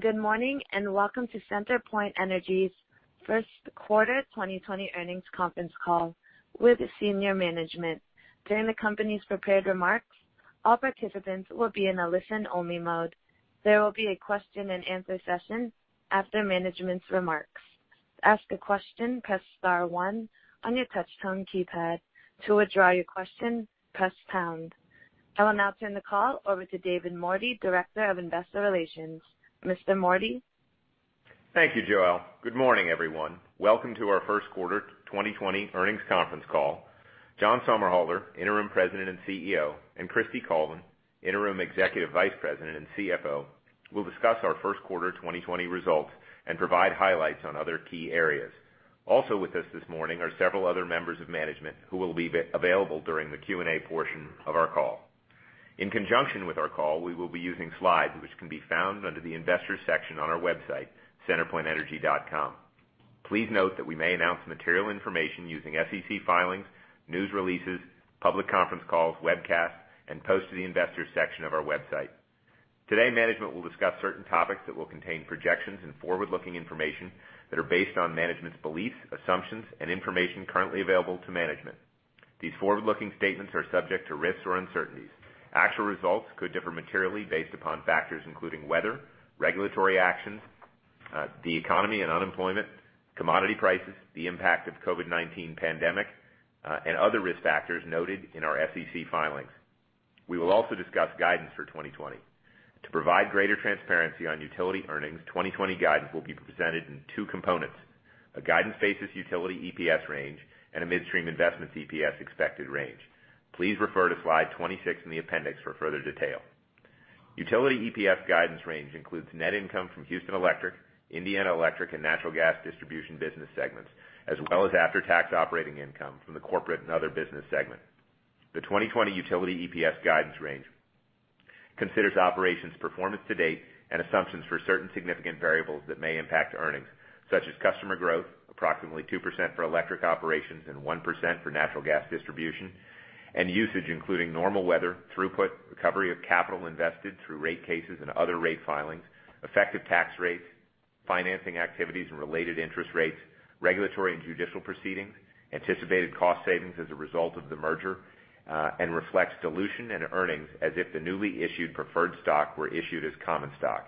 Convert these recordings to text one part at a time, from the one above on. Good morning, welcome to CenterPoint Energy's first quarter 2020 earnings conference call with senior management. During the company's prepared remarks, all participants will be in a listen-only mode. There will be a question and answer session after management's remarks. To ask a question, press star one on your touch-tone keypad. To withdraw your question, press pound. I will now turn the call over to David Mordy, Director of Investor Relations. Mr. Mordy? Thank you, Joelle. Good morning, everyone. Welcome to our first quarter 2020 earnings conference call. John Somerhalder, Interim President and CEO, and Kristie Colvin, Interim Executive Vice President and CFO, will discuss our first quarter 2020 results and provide highlights on other key areas. Also with us this morning are several other members of management who will be available during the Q&A portion of our call. In conjunction with our call, we will be using slides which can be found under the Investors section on our website, centerpointenergy.com. Please note that we may announce material information using SEC filings, news releases, public conference calls, webcasts, and posts to the Investors section of our website. Today, management will discuss certain topics that will contain projections and forward-looking information that are based on management's beliefs, assumptions, and information currently available to management. These forward-looking statements are subject to risks or uncertainties. Actual results could differ materially based upon factors including weather, regulatory actions, the economy and unemployment, commodity prices, the impact of COVID-19 pandemic, and other risk factors noted in our SEC filings. We will also discuss guidance for 2020. To provide greater transparency on utility earnings, 2020 guidance will be presented in two components, a guidance basis utility EPS range, and a midstream investments EPS expected range. Please refer to slide 26 in the appendix for further detail. Utility EPS guidance range includes net income from Houston Electric, Indiana Electric, and natural gas distribution business segments, as well as after-tax operating income from the corporate and other business segment. The 2020 utility EPS guidance range considers operations performance to date and assumptions for certain significant variables that may impact earnings, such as customer growth, approximately 2% for electric operations and 1% for natural gas distribution, and usage including normal weather, throughput, recovery of capital invested through rate cases and other rate filings, effective tax rates, financing activities and related interest rates, regulatory and judicial proceedings, anticipated cost savings as a result of the merger, and reflects dilution and earnings as if the newly issued preferred stock were issued as common stock.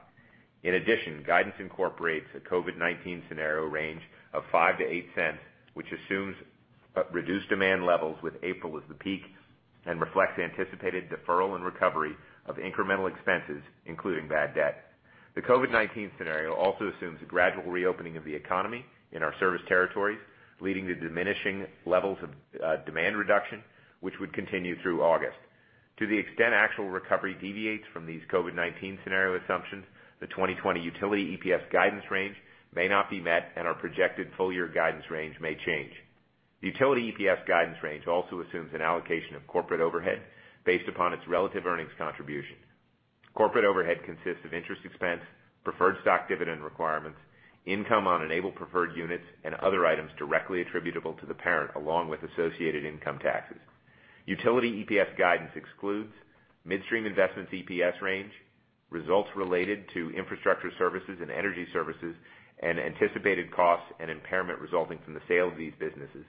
In addition, guidance incorporates a COVID-19 scenario range of $0.05-$0.08, which assumes reduced demand levels with April as the peak and reflects anticipated deferral and recovery of incremental expenses, including bad debt. The COVID-19 scenario also assumes a gradual reopening of the economy in our service territories, leading to diminishing levels of demand reduction, which would continue through August. To the extent actual recovery deviates from these COVID-19 scenario assumptions, the 2020 utility EPS guidance range may not be met and our projected full-year guidance range may change. The utility EPS guidance range also assumes an allocation of corporate overhead based upon its relative earnings contribution. Corporate overhead consists of interest expense, preferred stock dividend requirements, income on Enable preferred units, and other items directly attributable to the parent, along with associated income taxes. Utility EPS guidance excludes midstream investments EPS range, results related to infrastructure services and energy services, and anticipated costs and impairment resulting from the sale of these businesses,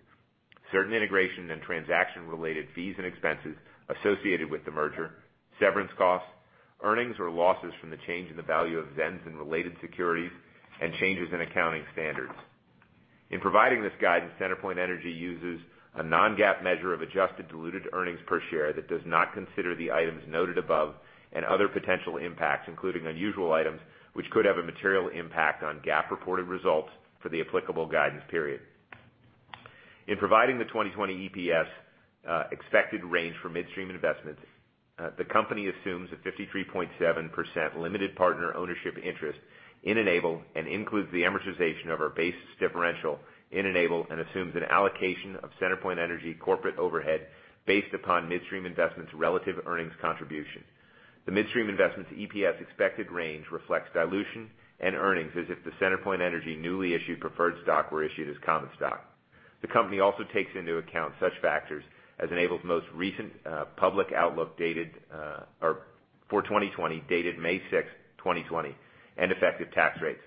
certain integration and transaction-related fees and expenses associated with the merger, severance costs, earnings or losses from the change in the value of ZENS and related securities, and changes in accounting standards. In providing this guidance, CenterPoint Energy uses a non-GAAP measure of adjusted diluted earnings per share that does not consider the items noted above and other potential impacts, including unusual items, which could have a material impact on GAAP-reported results for the applicable guidance period. In providing the 2020 EPS expected range for midstream investments, the company assumes a 53.7% limited partner ownership interest in Enable and includes the amortization of our basis differential in Enable and assumes an allocation of CenterPoint Energy corporate overhead based upon midstream investment's relative earnings contribution. The midstream investment's EPS expected range reflects dilution and earnings as if the CenterPoint Energy newly issued preferred stock were issued as common stock. The company also takes into account such factors as Enable's most recent public outlook for 2020 dated May 6, 2020, and effective tax rates.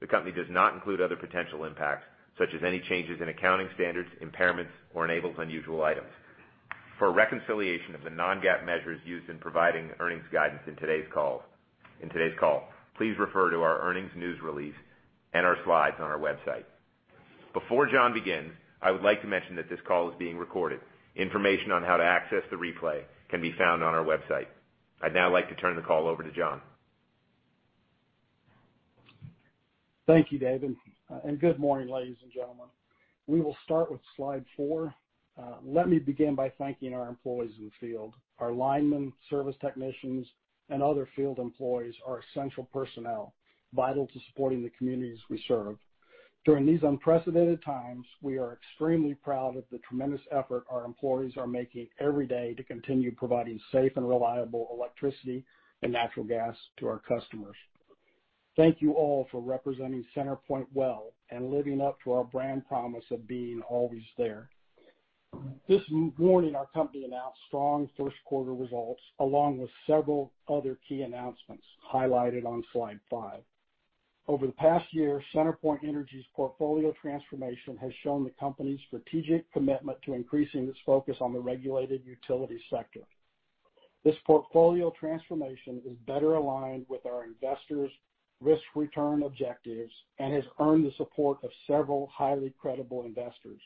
The company does not include other potential impacts, such as any changes in accounting standards, impairments, or Enable's unusual items. For a reconciliation of the non-GAAP measures used in providing earnings guidance in today's call, please refer to our earnings news release and our slides on our website. Before John begins, I would like to mention that this call is being recorded. Information on how to access the replay can be found on our website. I'd now like to turn the call over to John. Thank you, David, and good morning, ladies and gentlemen. We will start with slide four. Let me begin by thanking our employees in the field. Our linemen, service technicians, and other field employees are essential personnel, vital to supporting the communities we serve. During these unprecedented times, we are extremely proud of the tremendous effort our employees are making every day to continue providing safe and reliable electricity and natural gas to our customers. Thank you all for representing CenterPoint well and living up to our brand promise of being always there. This morning, our company announced strong first quarter results along with several other key announcements highlighted on slide five. Over the past year, CenterPoint Energy's portfolio transformation has shown the company's strategic commitment to increasing its focus on the regulated utility sector. This portfolio transformation is better aligned with our investors' risk-return objectives and has earned the support of several highly credible investors.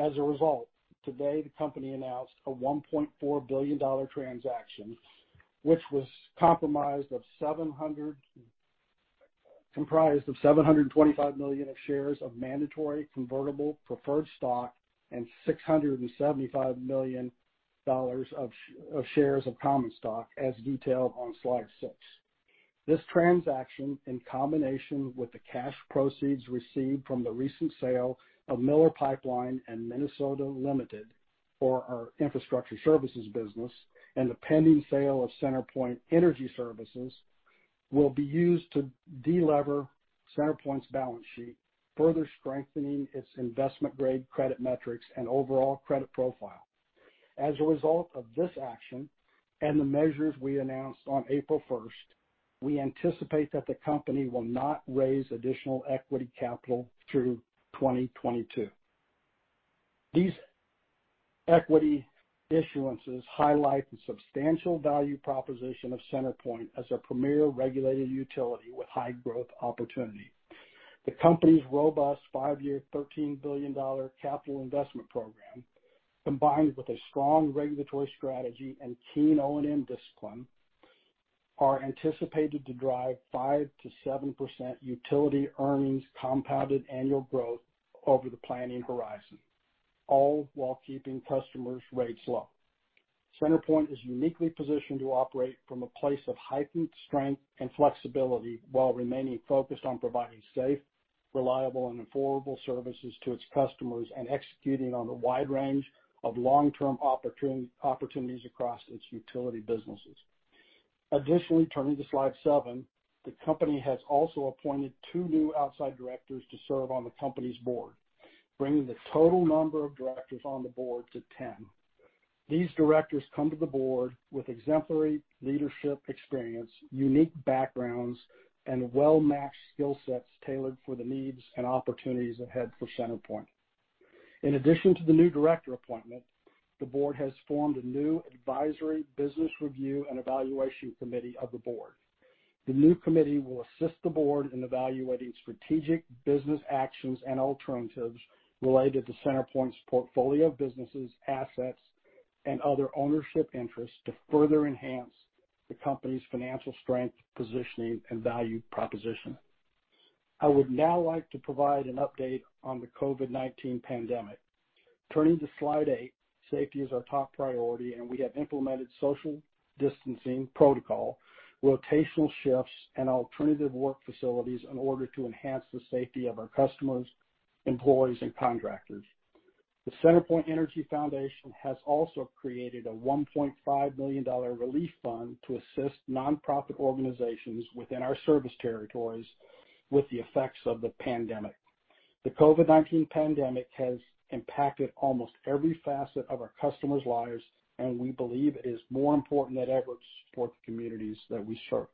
As a result, today the company announced a $1.4 billion transaction, which was comprised of $725 million of shares of mandatory convertible preferred stock and $675 million of shares of common stock, as detailed on slide six. This transaction, in combination with the cash proceeds received from the recent sale of Miller Pipeline and Minnesota Limited for our infrastructure services business and the pending sale of CenterPoint Energy Services, will be used to de-lever CenterPoint's balance sheet, further strengthening its investment-grade credit metrics and overall credit profile. As a result of this action and the measures we announced on April 1st, we anticipate that the company will not raise additional equity capital through 2022. These equity issuances highlight the substantial value proposition of CenterPoint as a premier regulated utility with high growth opportunity. The company's robust five-year, $13 billion capital investment program, combined with a strong regulatory strategy and keen O&M discipline, are anticipated to drive 5%-7% utility earnings compounded annual growth over the planning horizon, all while keeping customers' rates low. CenterPoint is uniquely positioned to operate from a place of heightened strength and flexibility while remaining focused on providing safe, reliable, and affordable services to its customers and executing on a wide range of long-term opportunities across its utility businesses. Additionally, turning to slide seven, the company has also appointed two new outside directors to serve on the company's Board, bringing the total number of directors on the Board to 10. These directors come to the Board with exemplary leadership experience, unique backgrounds, and well-matched skill sets tailored for the needs and opportunities ahead for CenterPoint. In addition to the new director appointment, the Board has formed a new Advisory Business Review and Evaluation Committee of the Board. The new committee will assist the Board in evaluating strategic business actions and alternatives related to CenterPoint's portfolio of businesses, assets, and other ownership interests to further enhance the company's financial strength, positioning, and value proposition. I would now like to provide an update on the COVID-19 pandemic. Turning to slide eight, safety is our top priority, and we have implemented social distancing protocol, rotational shifts, and alternative work facilities in order to enhance the safety of our customers, employees, and contractors. The CenterPoint Energy Foundation has also created a $1.5 million relief fund to assist nonprofit organizations within our service territories with the effects of the pandemic. The COVID-19 pandemic has impacted almost every facet of our customers' lives, and we believe it is more important than ever to support the communities that we serve.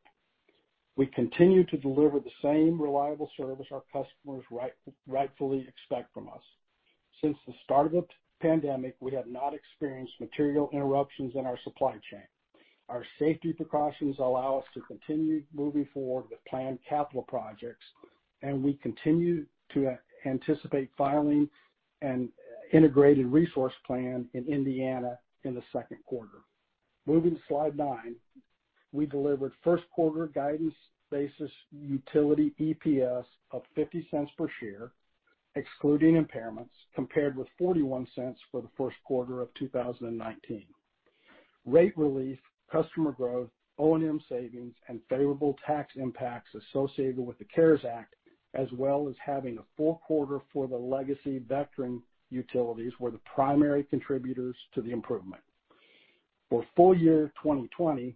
We continue to deliver the same reliable service our customers rightfully expect from us. Since the start of the pandemic, we have not experienced material interruptions in our supply chain. Our safety precautions allow us to continue moving forward with planned capital projects, and we continue to anticipate filing an integrated resource plan in Indiana in the second quarter. Moving to slide nine. We delivered first quarter guidance basis utility EPS of $0.50 per share, excluding impairments, compared with $0.41 for the first quarter of 2019. Rate relief, customer growth, O&M savings, and favorable tax impacts associated with the CARES Act, as well as having a full quarter for the legacy Vectren utilities, were the primary contributors to the improvement. For full year 2020,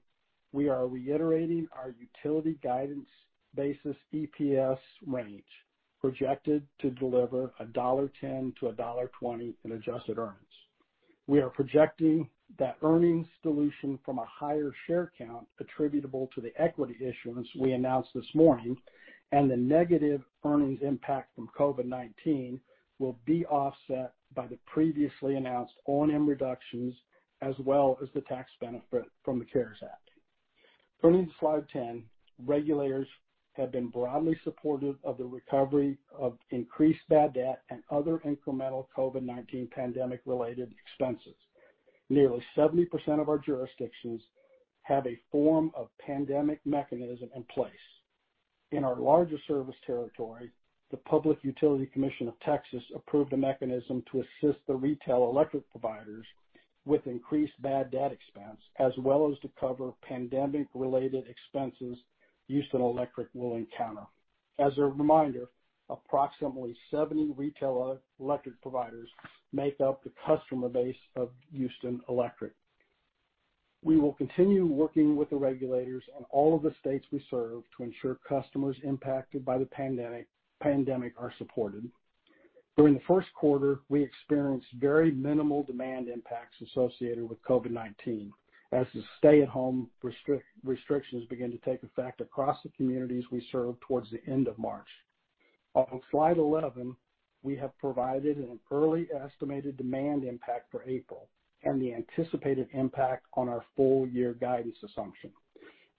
we are reiterating our utility guidance basis EPS range, projected to deliver $1.10-$1.20 in adjusted earnings. We are projecting that earnings dilution from a higher share count attributable to the equity issuance we announced this morning and the negative earnings impact from COVID-19 will be offset by the previously announced O&M reductions as well as the tax benefit from the CARES Act. Turning to slide 10. Regulators have been broadly supportive of the recovery of increased bad debt and other incremental COVID-19 pandemic-related expenses. Nearly 70% of our jurisdictions have a form of pandemic mechanism in place. In our largest service territory, the Public Utility Commission of Texas approved a mechanism to assist the retail electric providers with increased bad debt expense as well as to cover pandemic-related expenses Houston Electric will encounter. As a reminder, approximately 70 retail electric providers make up the customer base of Houston Electric. We will continue working with the regulators in all of the states we serve to ensure customers impacted by the pandemic are supported. During the first quarter, we experienced very minimal demand impacts associated with COVID-19 as the stay-at-home restrictions began to take effect across the communities we serve towards the end of March. On slide 11, we have provided an early estimated demand impact for April and the anticipated impact on our full-year guidance assumption.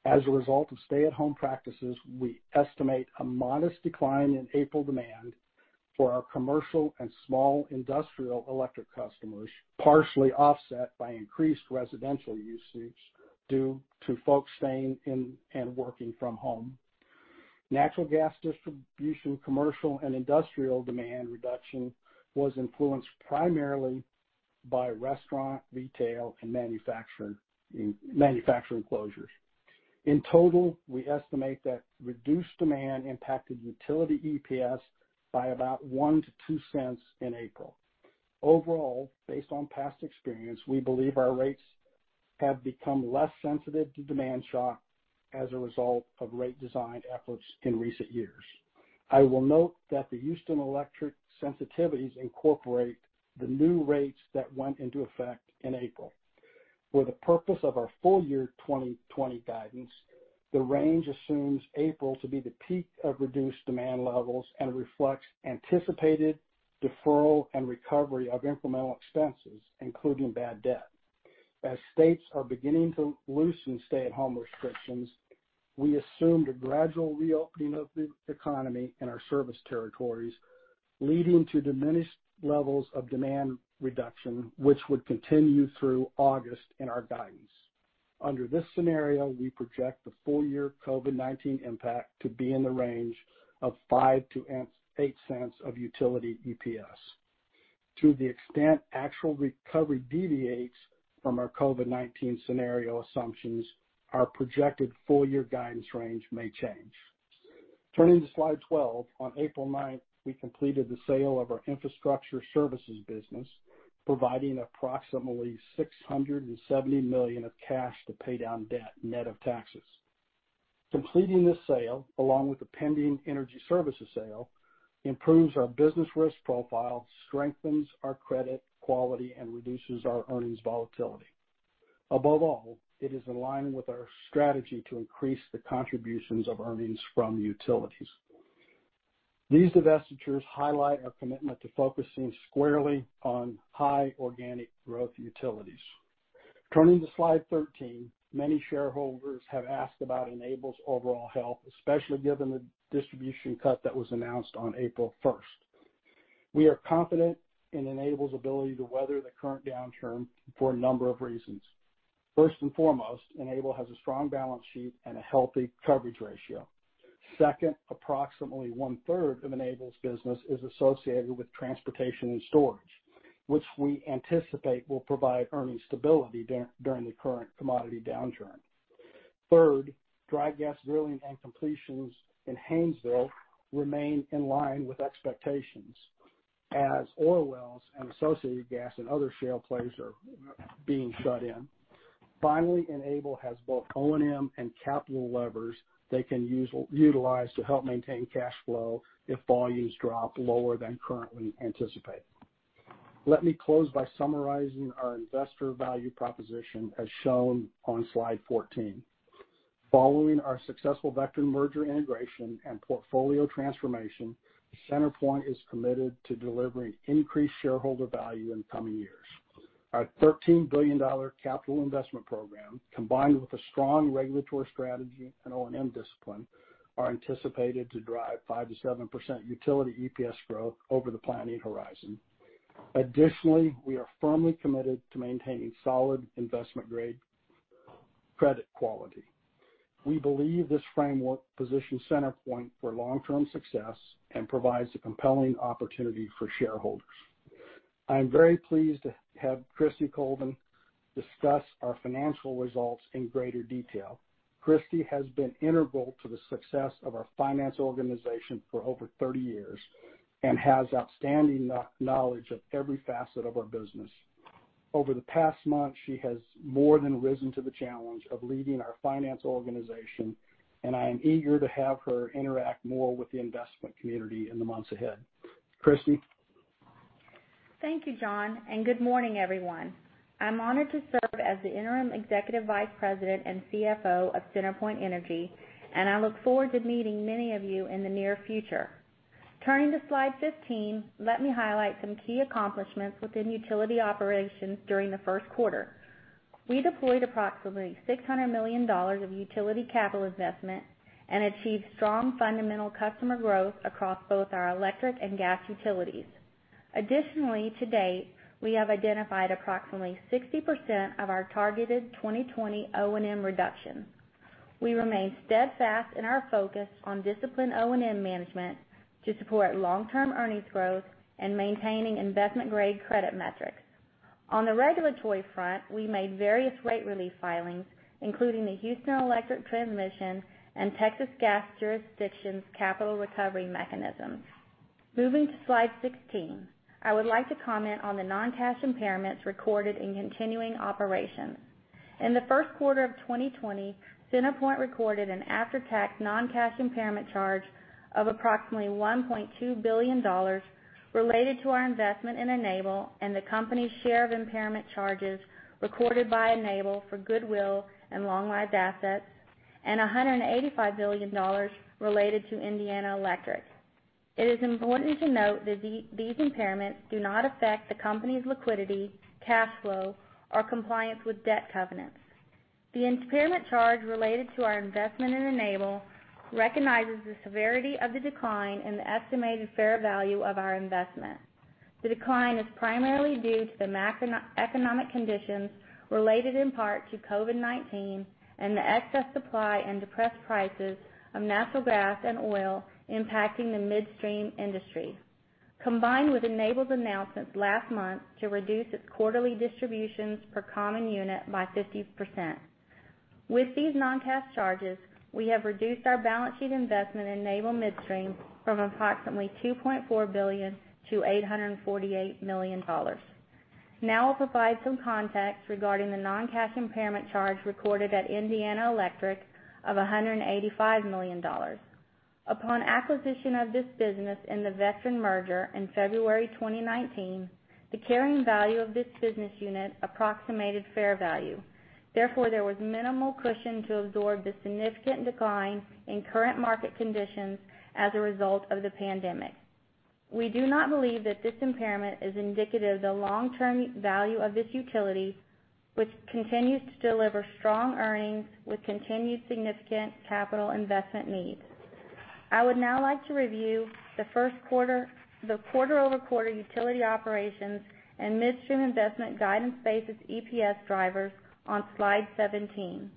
As a result of stay-at-home practices, we estimate a modest decline in April demand for our commercial and small industrial electric customers, partially offset by increased residential usage due to folks staying and working from home. Natural gas distribution, commercial and industrial demand reduction was influenced primarily by restaurant, retail, and manufacturing closures. In total, we estimate that reduced demand impacted utility EPS by about $0.01-$0.02 in April. Overall, based on past experience, we believe our rates have become less sensitive to demand shock as a result of rate design efforts in recent years. I will note that the Houston Electric sensitivities incorporate the new rates that went into effect in April. For the purpose of our full-year 2020 guidance, the range assumes April to be the peak of reduced demand levels and reflects anticipated deferral and recovery of incremental expenses, including bad debt. As states are beginning to loosen stay-at-home restrictions, we assume the gradual reopening of the economy in our service territories, leading to diminished levels of demand reduction, which would continue through August in our guidance. Under this scenario, we project the full-year COVID-19 impact to be in the range of $0.05-$0.08 of utility EPS. To the extent actual recovery deviates from our COVID-19 scenario assumptions, our projected full-year guidance range may change. Turning to slide 12, on April 9th, we completed the sale of our infrastructure services business, providing approximately $670 million of cash to pay down debt, net of taxes. Completing this sale, along with the pending energy services sale, improves our business risk profile, strengthens our credit quality, and reduces our earnings volatility. Above all, it is aligned with our strategy to increase the contributions of earnings from utilities. These divestitures highlight our commitment to focusing squarely on high organic growth utilities. Turning to slide 13. Many shareholders have asked about Enable's overall health, especially given the distribution cut that was announced on April 1st. We are confident in Enable's ability to weather the current downturn for a number of reasons. First and foremost, Enable has a strong balance sheet and a healthy coverage ratio. Second, approximately 1/3 of Enable's business is associated with transportation and storage, which we anticipate will provide earning stability during the current commodity downturn. Third, dry gas drilling and completions in Haynesville remain in line with expectations as oil wells and associated gas and other shale plays are being shut in. Finally, Enable has both O&M and capital levers they can utilize to help maintain cash flow if volumes drop lower than currently anticipated. Let me close by summarizing our investor value proposition as shown on slide 14. Following our successful Vectren merger integration and portfolio transformation, CenterPoint is committed to delivering increased shareholder value in the coming years. Our $13 billion capital investment program, combined with a strong regulatory strategy and O&M discipline, are anticipated to drive 5%-7% utility EPS growth over the planning horizon. Additionally, we are firmly committed to maintaining solid investment-grade credit quality. We believe this framework positions CenterPoint for long-term success and provides a compelling opportunity for shareholders. I am very pleased to have Kristie Colvin discuss our financial results in greater detail. Kristie has been integral to the success of our finance organization for over 30 years and has outstanding knowledge of every facet of our business. Over the past month, she has more than risen to the challenge of leading our finance organization, and I am eager to have her interact more with the investment community in the months ahead. Kristie? Thank you, John. Good morning, everyone. I'm honored to serve as the Interim Executive Vice President and CFO of CenterPoint Energy, and I look forward to meeting many of you in the near future. Turning to slide 15, let me highlight some key accomplishments within utility operations during the first quarter. We deployed approximately $600 million of utility capital investment and achieved strong fundamental customer growth across both our electric and gas utilities. Additionally, to date, we have identified approximately 60% of our targeted 2020 O&M reduction. We remain steadfast in our focus on disciplined O&M management to support long-term earnings growth and maintaining investment-grade credit metrics. On the regulatory front, we made various rate relief filings, including the Houston Electric transmission and Texas gas jurisdiction's capital recovery mechanisms. Moving to slide 16, I would like to comment on the non-cash impairments recorded in continuing operations. In the first quarter of 2020, CenterPoint recorded an after-tax non-cash impairment charge of approximately $1.2 billion related to our investment in Enable and the company's share of impairment charges recorded by Enable for goodwill and long-lived assets, and $185 million related to Indiana Electric. It is important to note that these impairments do not affect the company's liquidity, cash flow, or compliance with debt covenants. The impairment charge related to our investment in Enable recognizes the severity of the decline in the estimated fair value of our investment. The decline is primarily due to the macroeconomic conditions related in part to COVID-19, and the excess supply and depressed prices of natural gas and oil impacting the midstream industry, combined with Enable's announcements last month to reduce its quarterly distributions per common unit by 50%. With these non-cash charges, we have reduced our balance sheet investment in Enable Midstream from approximately $2.4 billion to $848 million. Now I'll provide some context regarding the non-cash impairment charge recorded at Indiana Electric of $185 million. Upon acquisition of this business in the Vectren merger in February 2019, the carrying value of this business unit approximated fair value. Therefore, there was minimal cushion to absorb the significant decline in current market conditions as a result of the pandemic. We do not believe that this impairment is indicative of the long-term value of this utility, which continues to deliver strong earnings with continued significant capital investment needs. I would now like to review the quarter-over-quarter utility operations and midstream investment guidance-based EPS drivers on slide 17.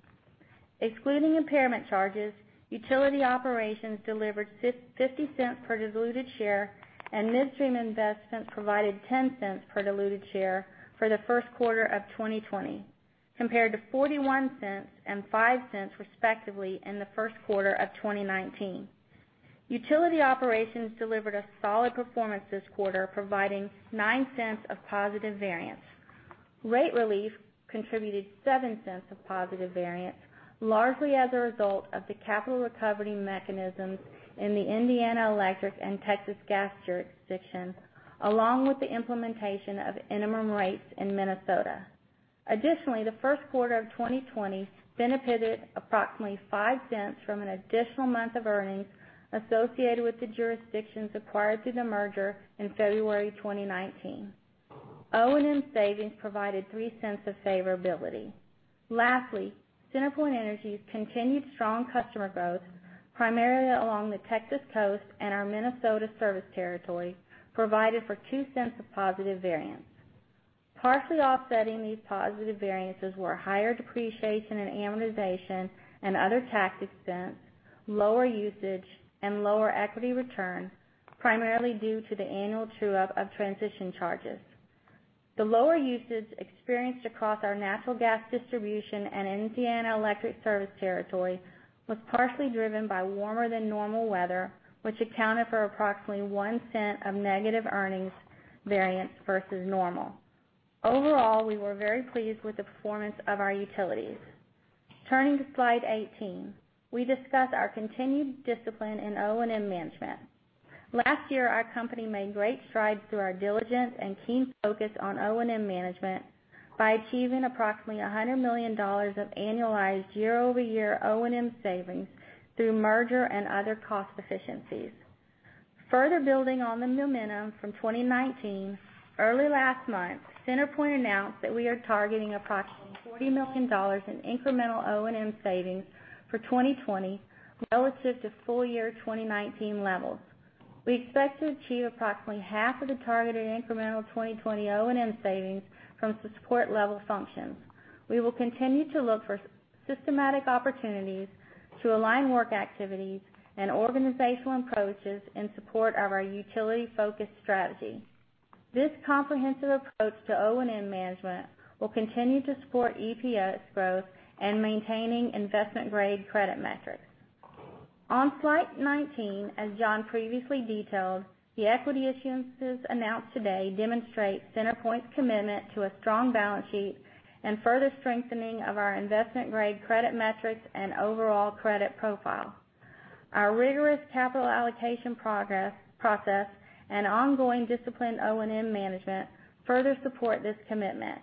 Excluding impairment charges, utility operations delivered $0.50 per diluted share, and midstream investments provided $0.10 per diluted share for the first quarter of 2020, compared to $0.41 and $0.05, respectively, in the first quarter of 2019. Utility operations delivered a solid performance this quarter, providing $0.09 of positive variance. Rate relief contributed $0.07 of positive variance, largely as a result of the capital recovery mechanisms in the Indiana Electric and Texas gas jurisdictions, along with the implementation of minimum rates in Minnesota. Additionally, the first quarter of 2020 benefited approximately $0.05 from an additional month of earnings associated with the jurisdictions acquired through the merger in February 2019. O&M savings provided $0.03 of favorability. Lastly, CenterPoint Energy's continued strong customer growth, primarily along the Texas coast and our Minnesota service territory, provided for $0.02 of positive variance. Partially offsetting these positive variances were higher depreciation and amortization and other tax expense, lower usage, and lower equity returns, primarily due to the annual true-up of transition charges. The lower usage experienced across our natural gas distribution and Indiana Electric service territory was partially driven by warmer-than-normal weather, which accounted for approximately $0.01 of negative earnings variance versus normal. Overall, we were very pleased with the performance of our utilities. Turning to slide 18, we discuss our continued discipline in O&M management. Last year, our company made great strides through our diligence and keen focus on O&M management by achieving approximately $100 million of annualized year-over-year O&M savings through merger and other cost efficiencies. Further building on the momentum from 2019, early last month, CenterPoint announced that we are targeting approximately $40 million in incremental O&M savings for 2020 relative to full year 2019 levels. We expect to achieve approximately half of the targeted incremental 2020 O&M savings from support level functions. We will continue to look for systematic opportunities to align work activities and organizational approaches in support of our utility-focused strategy. This comprehensive approach to O&M management will continue to support EPS growth and maintaining investment-grade credit metrics. On slide 19, as John previously detailed, the equity issuances announced today demonstrate CenterPoint's commitment to a strong balance sheet and further strengthening of our investment-grade credit metrics and overall credit profile. Our rigorous capital allocation process and ongoing disciplined O&M management further support this commitment.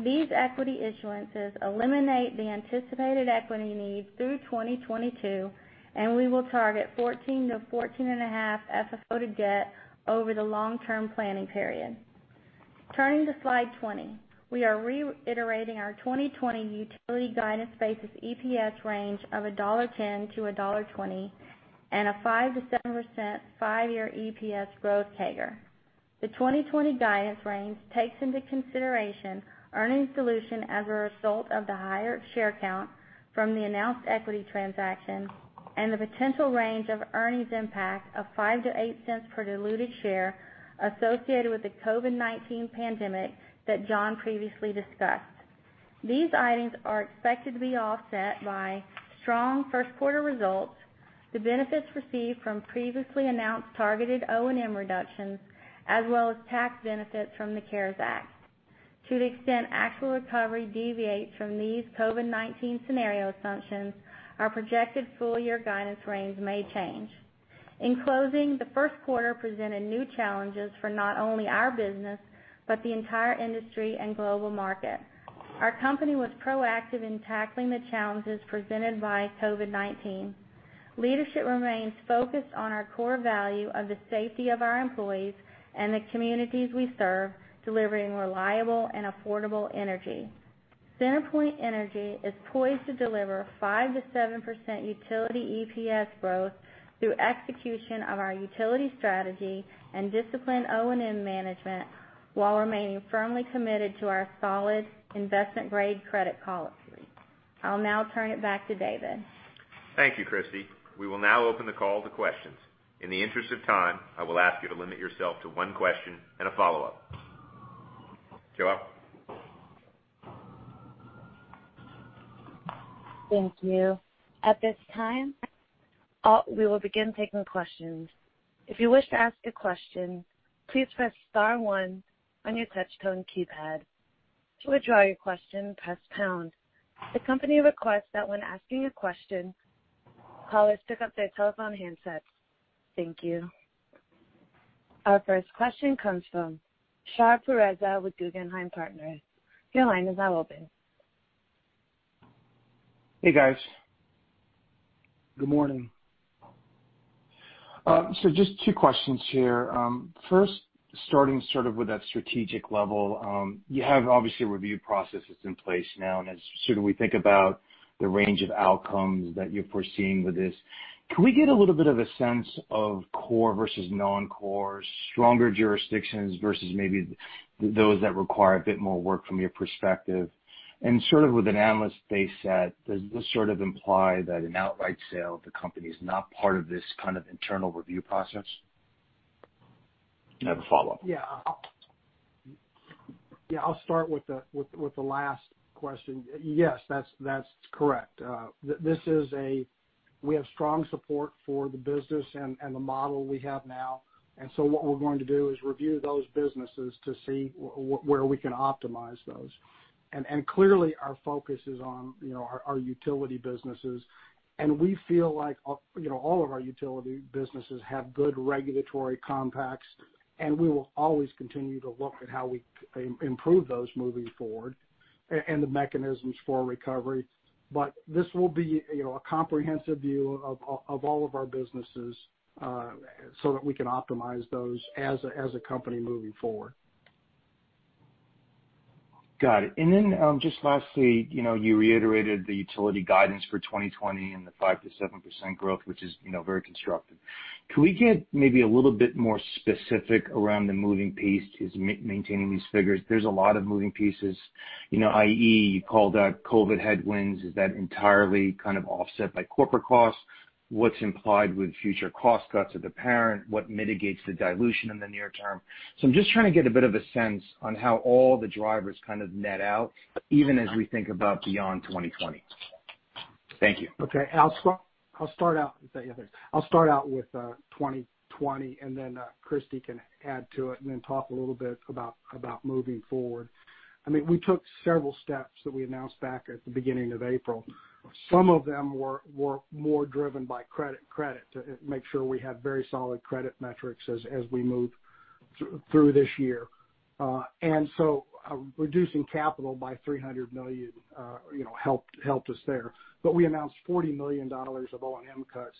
These equity issuances eliminate the anticipated equity needs through 2022, and we will target 14%-14.5% FFO to debt over the long-term planning period. Turning to slide 20. We are reiterating our 2020 utility guidance-based EPS range of $1.10-$1.20, and a 5%-7% five-year EPS growth CAGR. The 2020 guidance range takes into consideration earnings dilution as a result of the higher share count from the announced equity transaction and the potential range of earnings impact of $0.05-$0.08 per diluted share associated with the COVID-19 pandemic that John previously discussed. These items are expected to be offset by strong first quarter results, the benefits received from previously announced targeted O&M reductions, as well as tax benefits from the CARES Act. To the extent actual recovery deviates from these COVID-19 scenario assumptions, our projected full-year guidance range may change. In closing, the first quarter presented new challenges for not only our business, but the entire industry and global market. Our company was proactive in tackling the challenges presented by COVID-19. Leadership remains focused on our core value of the safety of our employees and the communities we serve, delivering reliable and affordable energy. CenterPoint Energy is poised to deliver 5%-7% utility EPS growth through execution of our utility strategy and disciplined O&M management, while remaining firmly committed to our solid investment-grade credit policy. I'll now turn it back to David. Thank you, Kristie. We will now open the call to questions. In the interest of time, I will ask you to limit yourself to one question and a follow-up. Joelle? Thank you. At this time, we will begin taking questions. If you wish to ask a question, please press star one on your touch-tone keypad. To withdraw your question, press pound. The company requests that when asking a question, callers pick up their telephone handsets. Thank you. Our first question comes from Shar Pourreza with Guggenheim Partners. Your line is now open. Hey, guys. Good morning. Just two questions here. First, starting with that strategic level. You have obviously a review process that's in place now, and as we think about the range of outcomes that you're foreseeing with this, can we get a little bit of a sense of core versus non-core, stronger jurisdictions versus maybe those that require a bit more work from your perspective? Sort of with an analyst base set, does this sort of imply that an outright sale of the company is not part of this kind of internal review process? I have a follow-up. Yeah. I'll start with the last question. Yes, that's correct. We have strong support for the business and the model we have now. What we're going to do is review those businesses to see where we can optimize those. Clearly, our focus is on our utility businesses. We feel like all of our utility businesses have good regulatory compacts, and we will always continue to look at how we improve those moving forward and the mechanisms for recovery. This will be a comprehensive view of all of our businesses so that we can optimize those as a company moving forward. Got it. Just lastly, you reiterated the utility guidance for 2020 and the 5%-7% growth, which is very constructive. Can we get maybe a little bit more specific around the moving pieces maintaining these figures? There's a lot of moving pieces, i.e., you called out COVID headwinds. Is that entirely kind of offset by corporate costs? What's implied with future cost cuts of the parent? What mitigates the dilution in the near term? I'm just trying to get a bit of a sense on how all the drivers kind of net out, even as we think about beyond 2020. Thank you. Okay. I'll start out with 2020, then Kristie can add to it and talk a little bit about moving forward. We took several steps that we announced back at the beginning of April. Some of them were more driven by credit to make sure we have very solid credit metrics as we move through this year. Reducing capital by $300 million helped us there. We announced $40 million of O&M cuts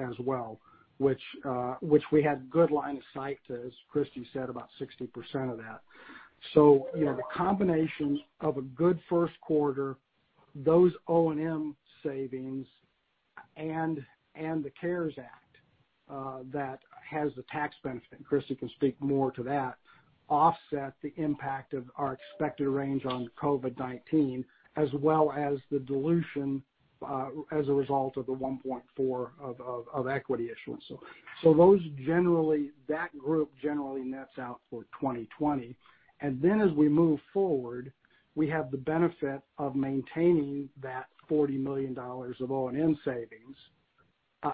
as well, which we had good line of sight to, as Kristie said, about 60% of that. The combination of a good first quarter, those O&M savings, the CARES Act that has the tax benefit, and Kristie can speak more to that, offset the impact of our expected range on COVID-19 as well as the dilution as a result of the $1.4 billion of equity issuance. That group generally nets out for 2020. As we move forward, we have the benefit of maintaining that $40 million of O&M savings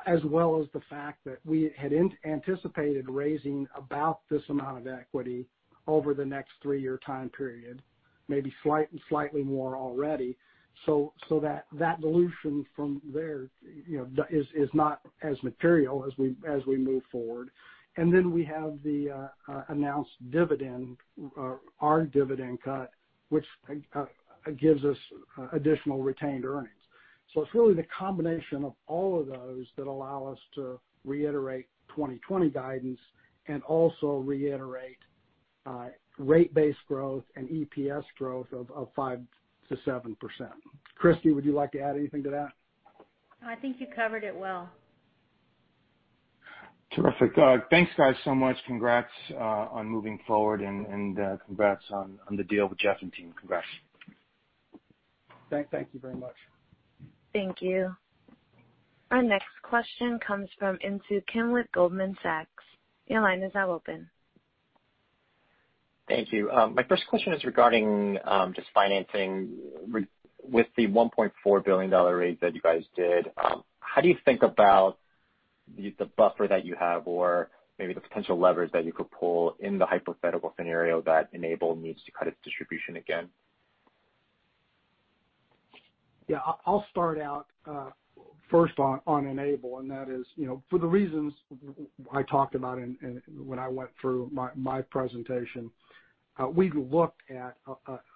as well as the fact that we had anticipated raising about this amount of equity over the next three-year time period, maybe slightly more already. That dilution from there is not as material as we move forward. We have the announced dividend, our dividend cut, which gives us additional retained earnings. It's really the combination of all of those that allow us to reiterate 2020 guidance and also reiterate rate-based growth and EPS growth of 5%-7%. Kristie, would you like to add anything to that? I think you covered it well. Terrific. Thanks, guys, so much. Congrats on moving forward, and congrats on the deal with Jeff and team. Congrats. Thank you very much. Thank you. Our next question comes from Insoo Kim with Goldman Sachs. Your line is now open. Thank you. My first question is regarding just financing with the $1.4 billion raise that you guys did. How do you think about the buffer that you have or maybe the potential leverage that you could pull in the hypothetical scenario that Enable needs to cut its distribution again? Yeah. I'll start out, first on Enable, for the reasons I talked about when I went through my presentation. We looked at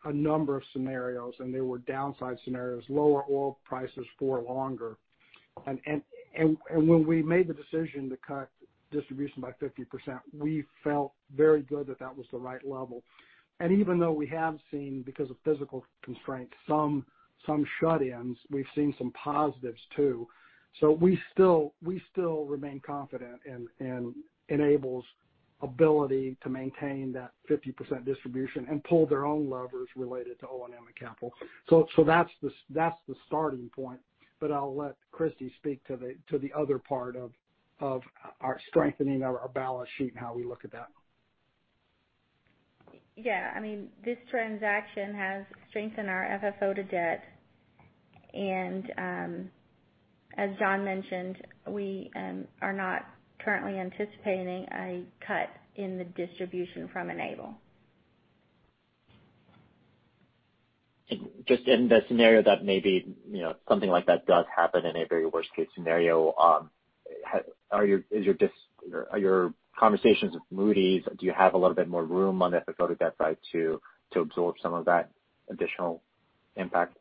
a number of scenarios, they were downside scenarios, lower oil prices for longer. When we made the decision to cut distribution by 50%, we felt very good that that was the right level. Even though we have seen, because of physical constraints, some shut-ins, we've seen some positives too. We still remain confident in Enable's ability to maintain that 50% distribution and pull their own levers related to O&M and capital. That's the starting point. I'll let Kristie speak to the other part of our strengthening our balance sheet and how we look at that. Yeah. This transaction has strengthened our FFO to debt. As John mentioned, we are not currently anticipating a cut in the distribution from Enable. Just in the scenario that maybe something like that does happen in a very worst-case scenario, are your conversations with Moody's, do you have a little bit more room on the FFO to debt side to absorb some of that additional impact?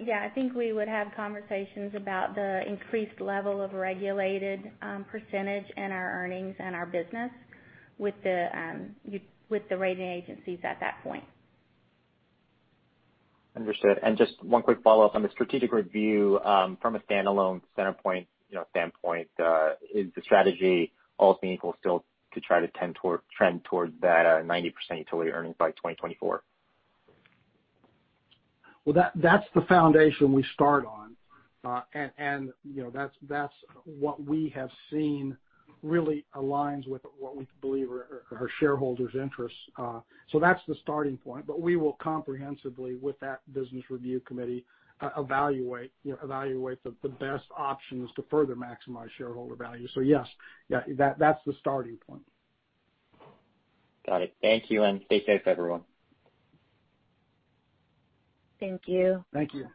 Yeah. I think we would have conversations about the increased level of regulated percentage in our earnings and our business with the rating agencies at that point. Understood. Just one quick follow-up on the strategic review. From a standalone CenterPoint standpoint, is the strategy all being equal still to try to trend towards that 90% utility earnings by 2024? Well, that's the foundation we start on. That's what we have seen really aligns with what we believe are our shareholders' interests. That's the starting point. We will comprehensively, with that business review committee, evaluate the best options to further maximize shareholder value. Yes. That's the starting point. Got it. Thank you, and stay safe, everyone. Thank you. Thank you.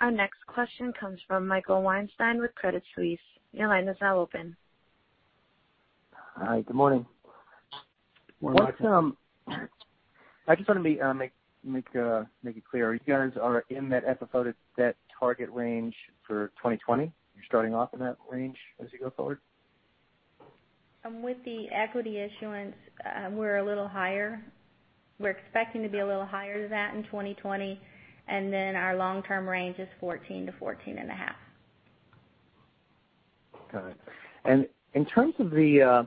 Our next question comes from Michael Weinstein with Credit Suisse. Your line is now open. Hi. Good morning. Morning, Michael. I just want to make it clear. You guys are in that FFO to debt target range for 2020? You're starting off in that range as you go forward? With the equity issuance, we're a little higher. We're expecting to be a little higher than that in 2020. Our long-term range is 14%-14.5%. Got it.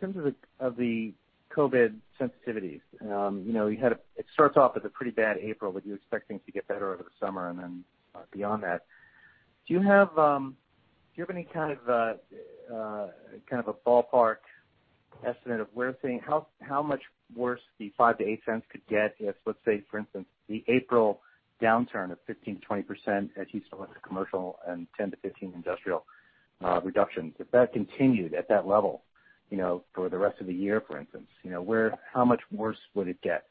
In terms of the COVID sensitivities, it starts off as a pretty bad April, but you expect things to get better over the summer and then beyond that. Do you have any kind of a ballpark estimate of where things how much worse the $0.05-$0.08 could get if, let's say, for instance, the April downturn of 15%-20% at Houston commercial and 10%-15% industrial reduction? If that continued at that level for the rest of the year, for instance, how much worse would it get?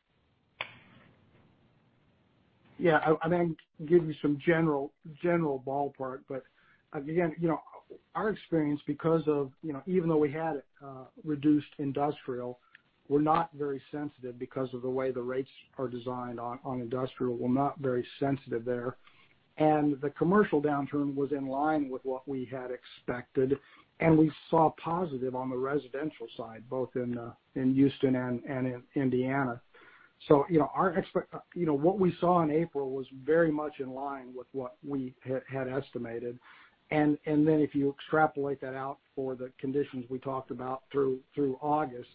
I can give you some general ballpark. Again, our experience because of even though we had reduced industrial, we're not very sensitive because of the way the rates are designed on industrial. We're not very sensitive there. The commercial downturn was in line with what we had expected, and we saw positive on the residential side, both in Houston and in Indiana. What we saw in April was very much in line with what we had estimated. If you extrapolate that out for the conditions we talked about through August,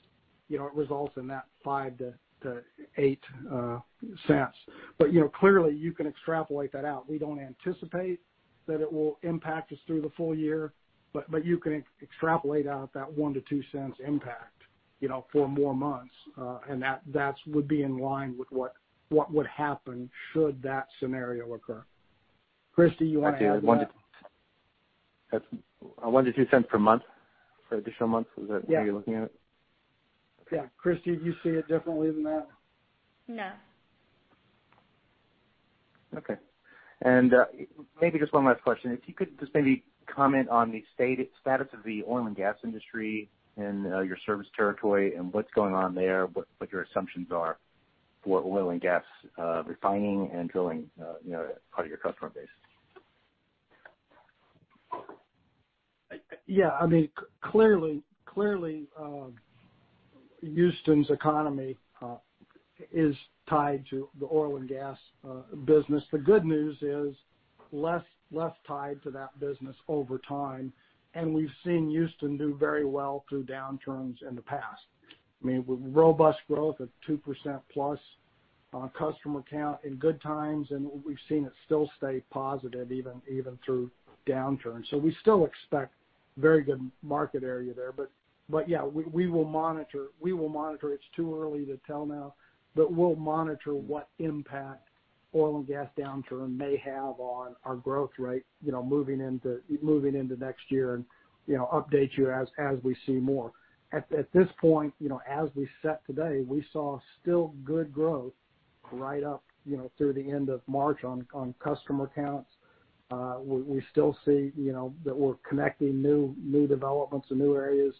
it results in that $0.05-$0.08. Clearly, you can extrapolate that out. We don't anticipate that it will impact us through the full year, but you can extrapolate out that $0.01-$0.02 impact for more months. That would be in line with what would happen should that scenario occur. Kristie, you want to add to that? Okay. $0.01-$0.02 per month for additional months? Is that how you're looking at it? Yeah. Kristie, do you see it differently than that? No. Okay. Maybe just one last question. If you could just maybe comment on the status of the oil and gas industry in your service territory and what's going on there, what your assumptions are for oil and gas refining and drilling part of your customer base. Yeah. Clearly, Houston's economy is tied to the oil and gas business. The good news is less tied to that business over time, and we've seen Houston do very well through downturns in the past. With robust growth of 2%+ on customer count in good times, and we've seen it still stay positive even through downturns. We still expect very good market area there. Yeah, we will monitor. It's too early to tell now, but we'll monitor what impact oil and gas downturn may have on our growth rate, moving into next year and update you as we see more. At this point, as we sit today, we saw still good growth right up through the end of March on customer counts. We still see that we're connecting new developments in new areas.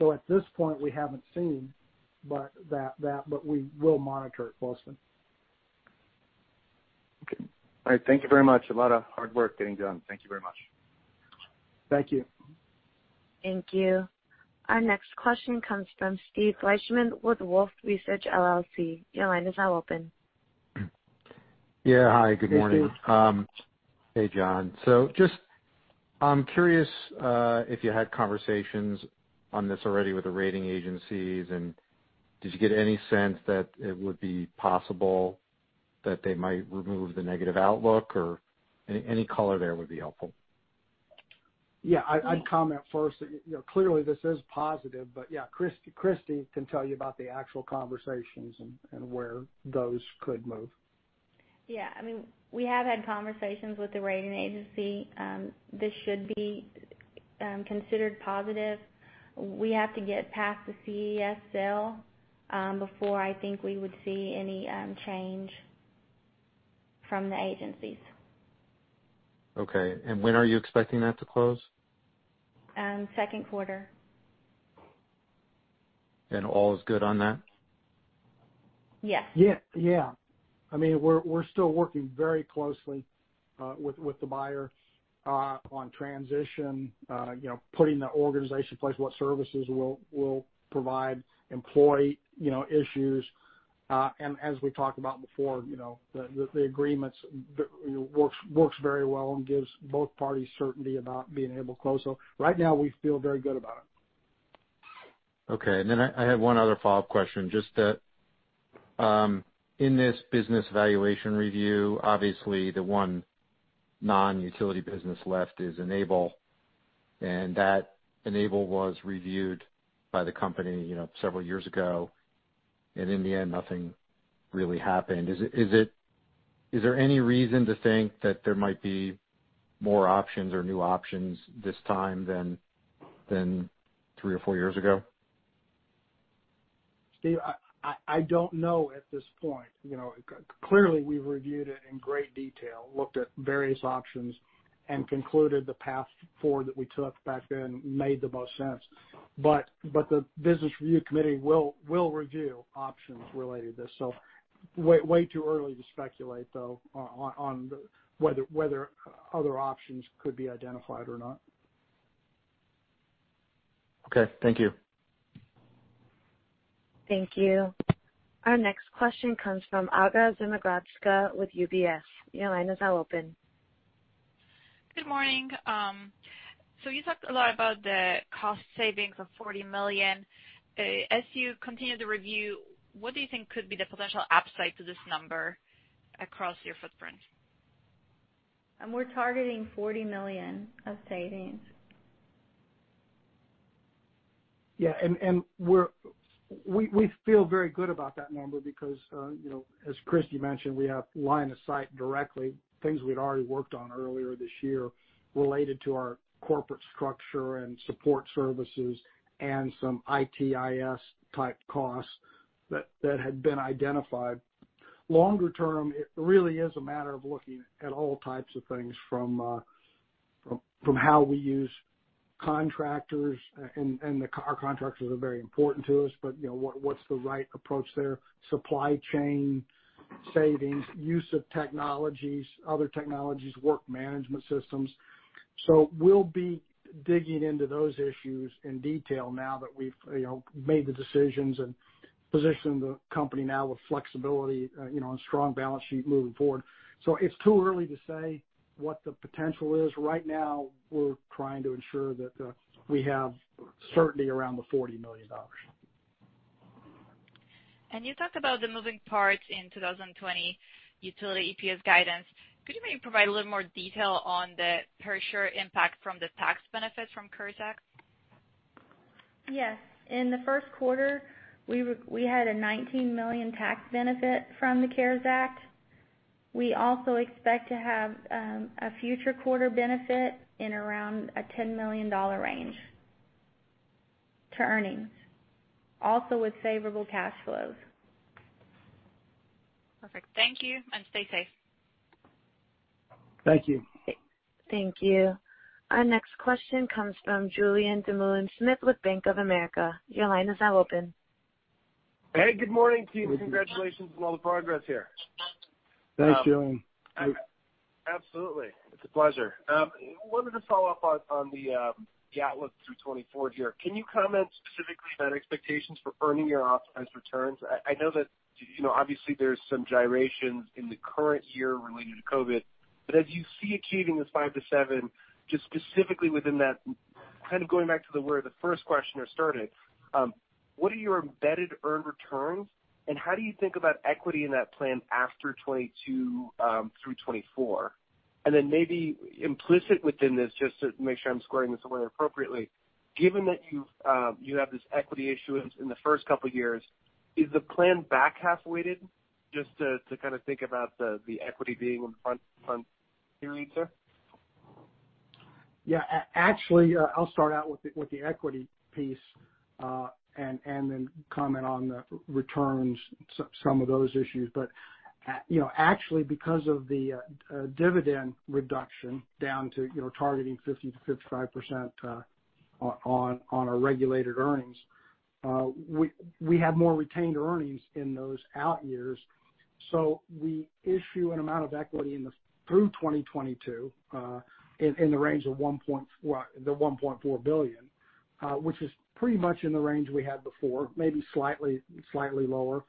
At this point, we haven't seen that, but we will monitor it, closely. Okay. All right, thank you very much. A lot of hard work getting done. Thank you very much. Thank you. Thank you. Our next question comes from Steve Fleishman with Wolfe Research, LLC. Your line is now open. Yeah. Hi, good morning. Hey, Steve. Hey, John. I'm curious if you had conversations on this already with the rating agencies, and did you get any sense that it would be possible that they might remove the negative outlook, or any color there would be helpful? Yeah. I'd comment first. Clearly this is positive, but yeah, Kristie can tell you about the actual conversations and where those could move. We have had conversations with the rating agency. This should be considered positive. We have to get past the CES sale before I think we would see any change from the agencies. Okay. When are you expecting that to close? Second quarter. All is good on that? Yes. Yeah. We're still working very closely with the buyer on transition, putting the organization in place, what services we'll provide, employee issues. As we talked about before, the agreement works very well and gives both parties certainty about being able to close. Right now we feel very good about it. Okay. I had one other follow-up question, just that in this business valuation review, obviously the one non-utility business left is Enable, and that Enable was reviewed by the company several years ago. In the end, nothing really happened. Is there any reason to think that there might be more options or new options this time than three or four years ago? Steve, I don't know at this point. Clearly we've reviewed it in great detail, looked at various options, and concluded the path forward that we took back then made the most sense. The business review committee will review options related to this. Way too early to speculate, though, on whether other options could be identified or not. Okay, thank you. Thank you. Our next question comes from Aga Zmigrodzka with UBS. Your line is now open. Good morning. You talked a lot about the cost savings of $40 million. As you continue the review, what do you think could be the potential upside to this number across your footprint? We're targeting $40 million of savings. Yeah. We feel very good about that number because, as Kristie mentioned, we have line of sight directly, things we'd already worked on earlier this year related to our corporate structure and support services and some IT/IS-type costs that had been identified. Longer term, it really is a matter of looking at all types of things, from how we use contractors, and our contractors are very important to us, but what's the right approach there? Supply chain savings, use of technologies, other technologies, work management systems. We'll be digging into those issues in detail now that we've made the decisions and positioned the company now with flexibility and a strong balance sheet moving forward. It's too early to say what the potential is. Right now, we're trying to ensure that we have certainty around the $40 million. You talked about the moving parts in 2020 utility EPS guidance. Could you maybe provide a little more detail on the per-share impact from the tax benefits from CARES Act? Yes. In the first quarter, we had a $19 million tax benefit from the CARES Act. We also expect to have a future quarter benefit in around a $10 million range to earnings, also with favorable cash flows. Perfect. Thank you, and stay safe. Thank you. Thank you. Our next question comes from Julien Dumoulin-Smith with Bank of America. Your line is now open. Hey, good morning, team. Good morning. Congratulations on all the progress here. Thanks, Julien. Absolutely. It's a pleasure. I wanted to follow up on the outlook through 2024 here. Can you comment specifically on expectations for earning your optimized returns? I know that obviously there's some gyrations in the current year related to COVID, but as you see achieving this 5%-7%, just specifically within that. Kind of going back to where the first questioner started, what are your embedded earned returns, and how do you think about equity in that plan after 2022 through 2024? Then maybe implicit within this, just to make sure I'm squaring this somewhere appropriately, given that you have this equity issuance in the first couple of years, is the plan back-half weighted just to kind of think about the equity being on the front there? Actually, I'll start out with the equity piece, then comment on the returns, some of those issues. Actually, because of the dividend reduction down to targeting 50%-55% on our regulated earnings, we have more retained earnings in those out years. We issue an amount of equity through 2022, in the range of the $1.4 billion, which is pretty much in the range we had before, maybe slightly lower.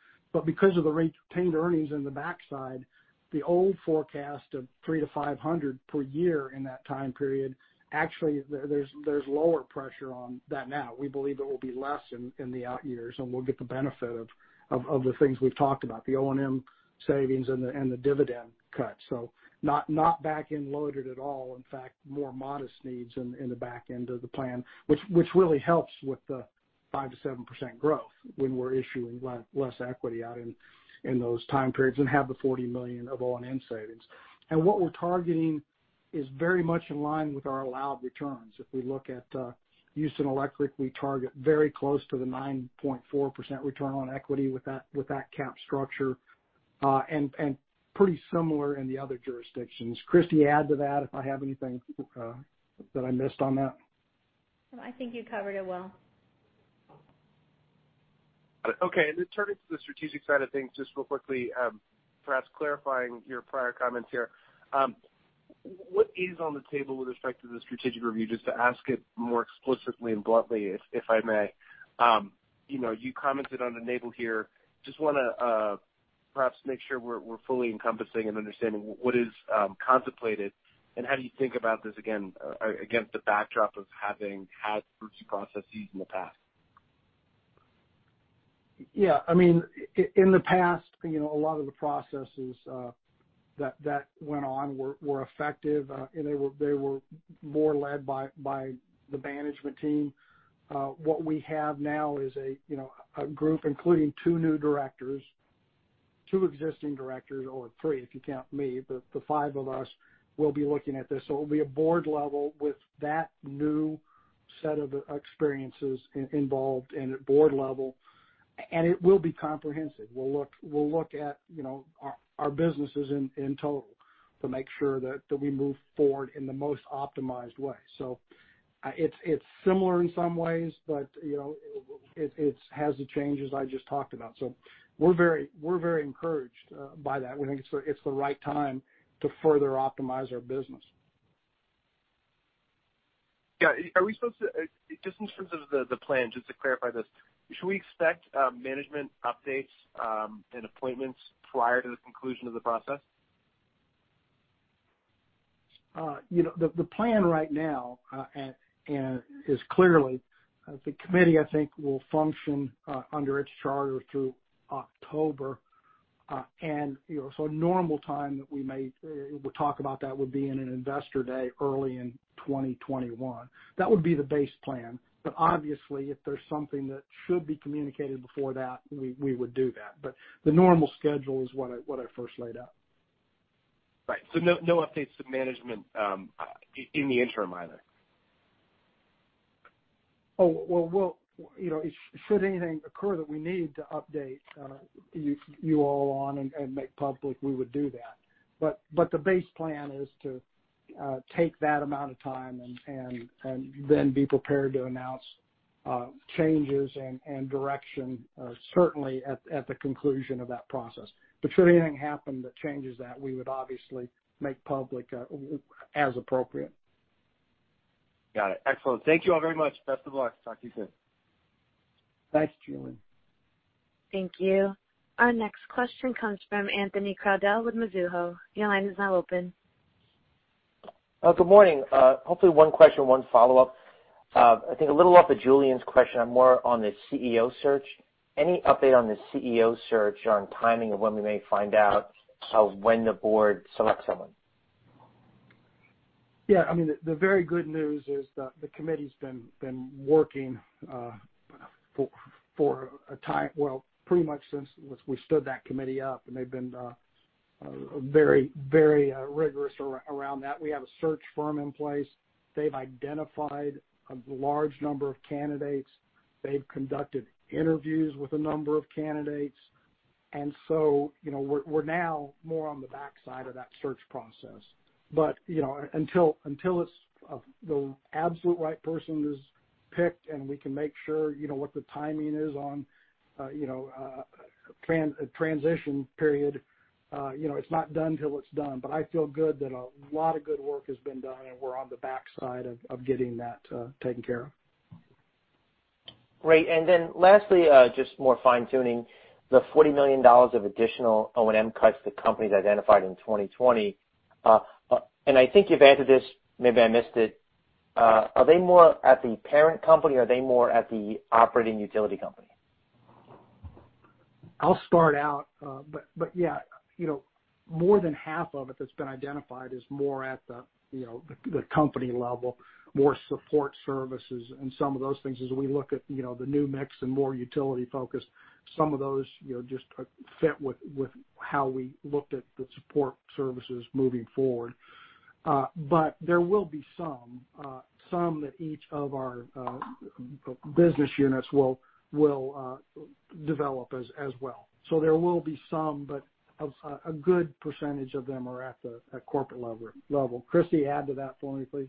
Because of the retained earnings in the backside, the old forecast of $300 million-$500 million per year in that time period, actually, there's lower pressure on that now. We believe it will be less in the out years, we'll get the benefit of the things we've talked about, the O&M savings and the dividend cut. Not back-end loaded at all. In fact, more modest needs in the back end of the plan, which really helps with the 5%-7% growth when we're issuing less equity out in those time periods and have the $40 million of O&M savings. What we're targeting is very much in line with our allowed returns. If we look at Houston Electric, we target very close to the 9.4% return on equity with that cap structure, and pretty similar in the other jurisdictions. Kristie, add to that if I have anything that I missed on that. No, I think you covered it well. Okay. Turning to the strategic side of things, just real quickly, perhaps clarifying your prior comments here. What is on the table with respect to the strategic review, just to ask it more explicitly and bluntly, if I may. You commented on Enable here. I just want to perhaps make sure we're fully encompassing and understanding what is contemplated, and how do you think about this, again, against the backdrop of having had through two processes in the past? Yeah. In the past, a lot of the processes that went on were effective, and they were more led by the management team. What we have now is a group including two new directors, two existing directors, or three if you count me. The five of us will be looking at this. It will be a Board level with that new set of experiences involved in a Board level, and it will be comprehensive. We'll look at our businesses in total to make sure that we move forward in the most optimized way. It's similar in some ways, but it has the changes I just talked about. We're very encouraged by that. We think it's the right time to further optimize our business. Got it. Just in terms of the plan, just to clarify this, should we expect management updates and appointments prior to the conclusion of the process? The plan right now is clearly, the committee, I think, will function under its charter through October. Normal time that we'll talk about that would be in an Investor Day early in 2021. That would be the base plan. Obviously, if there's something that should be communicated before that, we would do that. The normal schedule is what I first laid out. Right. No updates to management in the interim either? Should anything occur that we need to update you all on and make public, we would do that. The base plan is to take that amount of time and then be prepared to announce changes and direction, certainly at the conclusion of that process. Should anything happen that changes that, we would obviously make public as appropriate. Got it. Excellent. Thank you all very much. Best of luck. Talk to you soon. Thanks, Julien. Thank you. Our next question comes from Anthony Crowdell with Mizuho. Your line is now open. Good morning. Hopefully one question, one follow-up. I think a little off of Julien's question, more on the CEO search. Any update on the CEO search on timing of when we may find out of when the Board selects someone? Yeah. The very good news is that the committee's been working for a time, well, pretty much since we stood that committee up. They've been very rigorous around that. We have a search firm in place. They've identified a large number of candidates. They've conducted interviews with a number of candidates. We're now more on the backside of that search process. Until the absolute right person is picked and we can make sure what the timing is on a transition period, it's not done till it's done. I feel good that a lot of good work has been done and we're on the backside of getting that taken care of. Great. Lastly, just more fine-tuning the $40 million of additional O&M cuts the company's identified in 2020. I think you've answered this, maybe I missed it. Are they more at the parent company, or are they more at the operating utility company? I'll start out. Yeah, more than half of it that's been identified is more at the company level, more support services and some of those things as we look at the new mix and more utility focus, some of those just fit with how we looked at the support services moving forward. There will be some that each of our business units will develop as well. There will be some, but a good percentage of them are at the corporate level. Kristie, add to that for me, please.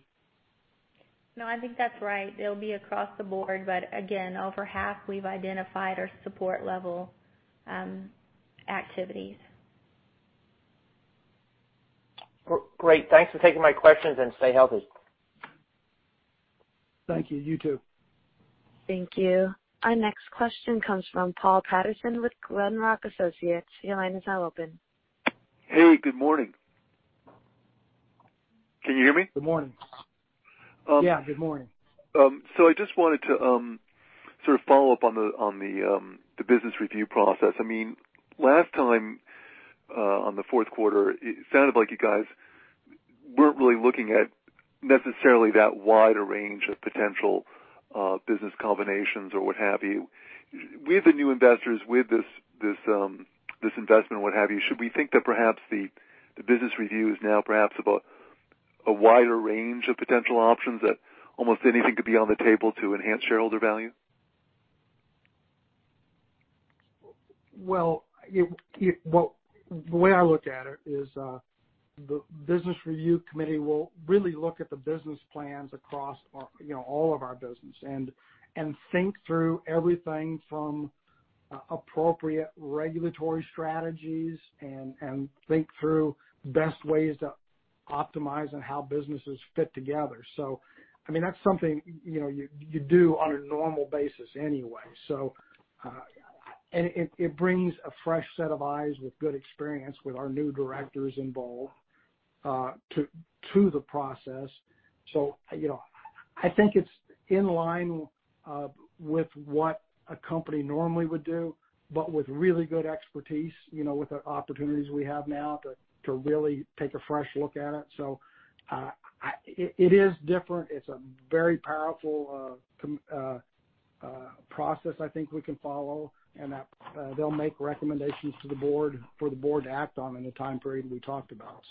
No, I think that's right. They'll be across the board, but again, over half we've identified are support level activities. Great. Thanks for taking my questions, and stay healthy. Thank you. You too. Thank you. Our next question comes from Paul Patterson with Glenrock Associates. Your line is now open. Hey, good morning. Can you hear me? Good morning. Yeah, good morning. I just wanted to sort of follow up on the business review process. Last time, on the fourth quarter, it sounded like you guys weren't really looking at necessarily that wide a range of potential business combinations or what have you. We have the new investors with this investment and what have you. Should we think that perhaps the business review is now perhaps about a wider range of potential options that almost anything could be on the table to enhance shareholder value? Well, the way I look at it is, the business review committee will really look at the business plans across all of our business and think through everything from appropriate regulatory strategies and think through best ways to optimize and how businesses fit together. That's something you do on a normal basis anyway. It brings a fresh set of eyes with good experience with our new directors involved to the process. I think it's in line with what a company normally would do, but with really good expertise with the opportunities we have now to really take a fresh look at it. It is different. It's a very powerful process I think we can follow, and that they'll make recommendations to the Board for the Board to act on in the time frame we talked about.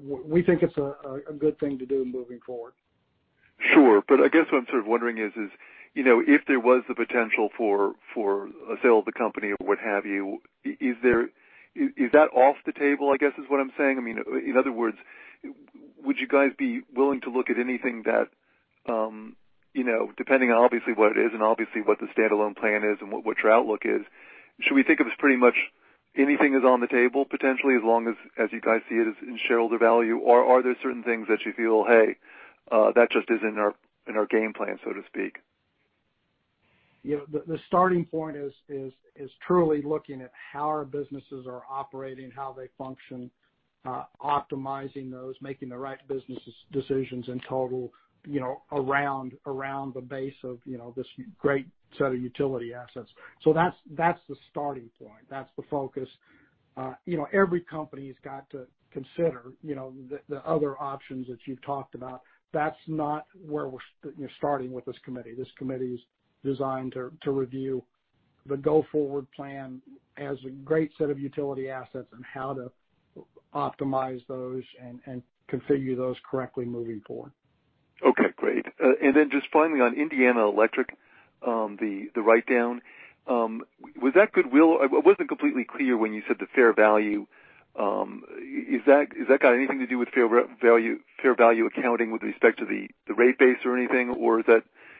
We think it's a good thing to do moving forward. Sure. I guess what I'm sort of wondering is if there was the potential for a sale of the company or what have you, is that off the table, I guess, is what I'm saying? In other words, would you guys be willing to look at anything that depending on obviously what it is and obviously what the standalone plan is and what your outlook is, should we think of as pretty much anything is on the table potentially, as long as you guys see it as in shareholder value? Are there certain things that you feel, hey, that just isn't in our game plan, so to speak? The starting point is truly looking at how our businesses are operating, how they function, optimizing those, making the right business decisions in total around the base of this great set of utility assets. That's the starting point. That's the focus. Every company's got to consider the other options that you've talked about. That's not where we're starting with this committee. This committee is designed to review the go-forward plan as a great set of utility assets and how to optimize those and configure those correctly moving forward. Okay, great. Then just finally on Indiana Electric, the write-down, was that goodwill? It wasn't completely clear when you said the fair value. Has that got anything to do with fair value accounting with respect to the rate base or anything?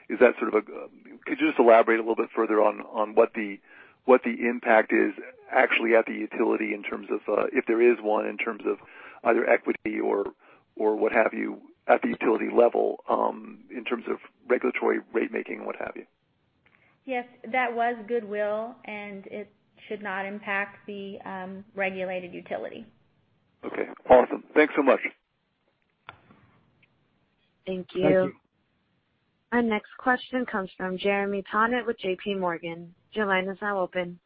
Could you just elaborate a little bit further on what the impact is actually at the utility in terms of, if there is one, in terms of either equity or what have you at the utility level, in terms of regulatory rate making and what have you? Yes. That was goodwill, and it should not impact the regulated utility. Okay, awesome. Thanks so much. Thank you. Thank you. Our next question comes from Jeremy Tonet with JPMorgan. Your line is now open.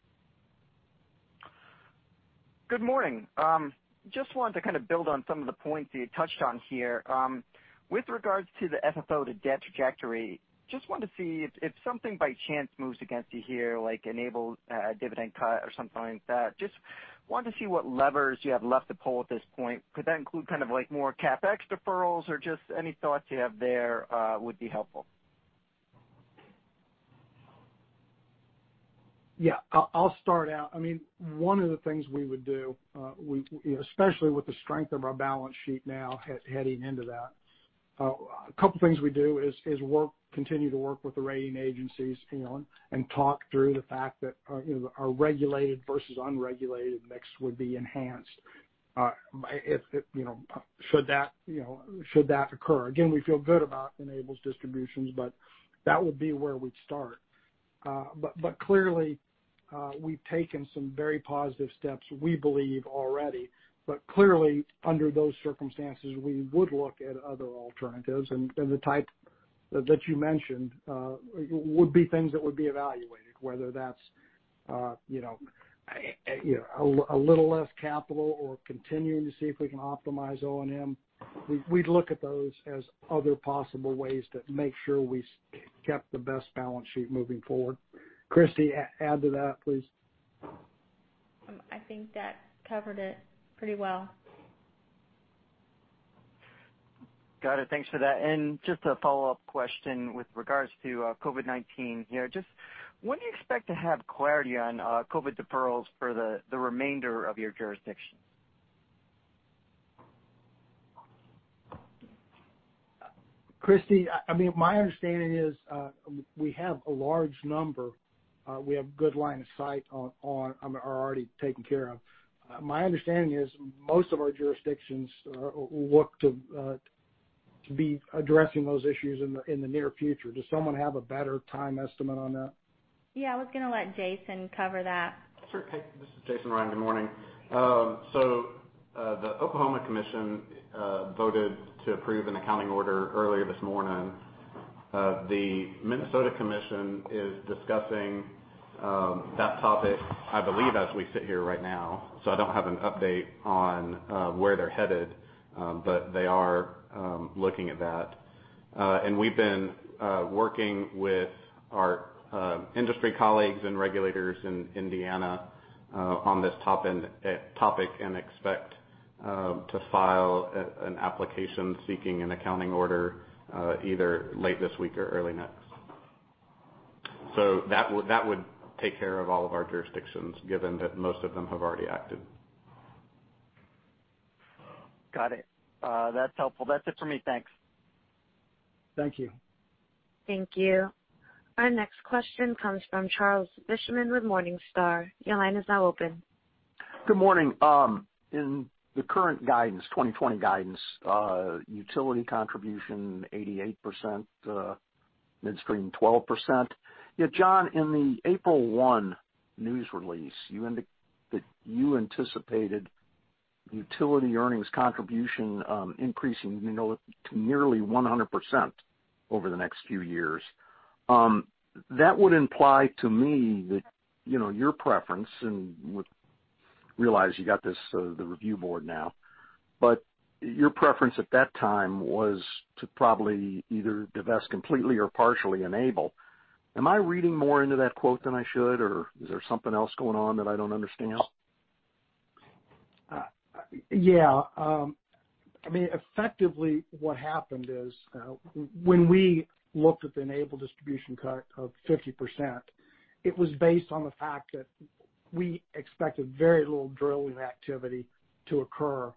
Good morning. Just wanted to kind of build on some of the points that you touched on here. With regards to the FFO to debt trajectory, just wanted to see if something by chance moves against you here, like Enable a dividend cut or something like that, just wanted to see what levers you have left to pull at this point. Could that include kind of more CapEx deferrals or just any thoughts you have there would be helpful. Yeah. I'll start out. One of the things we would do, especially with the strength of our balance sheet now heading into that, a couple of things we do is continue to work with the rating agencies and talk through the fact that our regulated versus unregulated mix would be enhanced should that occur. Again, we feel good about Enable's distributions, but that would be where we'd start. Clearly, we've taken some very positive steps, we believe already. Clearly, under those circumstances, we would look at other alternatives, and the type that you mentioned would be things that would be evaluated, whether that's a little less capital or continuing to see if we can optimize O&M. We'd look at those as other possible ways to make sure we kept the best balance sheet moving forward. Kristie, add to that, please. I think that covered it pretty well. Got it. Thanks for that. Just a follow-up question with regards to COVID-19 here. When do you expect to have clarity on COVID deferrals for the remainder of your jurisdictions? Kristie, my understanding is we have a large number we have good line of sight on or are already taken care of. My understanding is most of our jurisdictions look to be addressing those issues in the near future. Does someone have a better time estimate on that? Yeah, I was going to let Jason cover that. Sure. This is Jason Ryan, good morning. The Oklahoma Commission voted to approve an accounting order earlier this morning. The Minnesota Commission is discussing that topic, I believe, as we sit here right now. I don't have an update on where they're headed. They are looking at that. We've been working with our industry colleagues and regulators in Indiana on this topic and expect to file an application seeking an accounting order either late this week or early next. That would take care of all of our jurisdictions, given that most of them have already acted. Got it. That's helpful. That's it for me, thanks. Thank you. Thank you. Our next question comes from Charles Fishman with Morningstar. Your line is now open. Good morning. In the current guidance, 2020 guidance, utility contribution 88%, midstream 12%. John, in the April 1 news release, you anticipated utility earnings contribution increasing to nearly 100% over the next few years. That would imply to me that your preference, and realize you got the review board now, but your preference at that time was to probably either divest completely or partially Enable. Am I reading more into that quote than I should, or is there something else going on that I don't understand? Effectively what happened is when we looked at the Enable distribution cut of 50%, it was based on the fact that we expected very little drilling activity to occur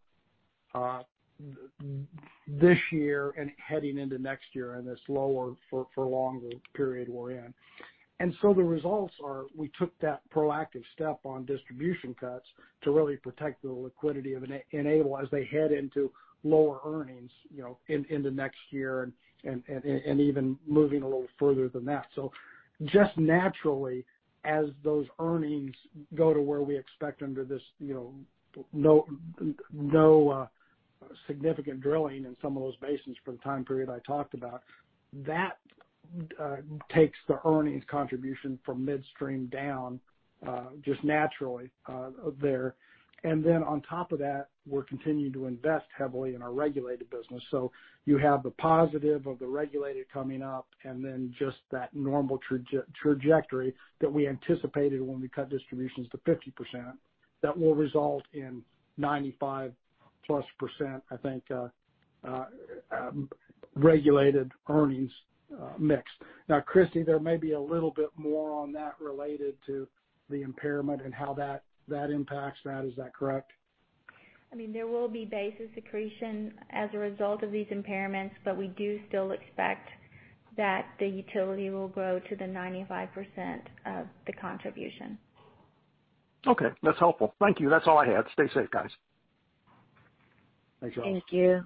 this year and heading into next year in this lower for longer period we're in. The results are we took that proactive step on distribution cuts to really protect the liquidity of Enable as they head into lower earnings in the next year and even moving a little further than that. Just naturally, as those earnings go to where we expect under this no significant drilling in some of those basins for the time period I talked about, that takes the earnings contribution from midstream down just naturally there. On top of that, we're continuing to invest heavily in our regulated business. You have the positive of the regulated coming up, and then just that normal trajectory that we anticipated when we cut distributions to 50%, that will result in 95%+, I think, regulated earnings mix. Kristie, there may be a little bit more on that related to the impairment and how that impacts that. Is that correct? There will be basis accretion as a result of these impairments. We do still expect that the utility will grow to the 95% of the contribution. Okay. That's helpful. Thank you. That's all I had. Stay safe, guys. Thanks, Charles. Thank you.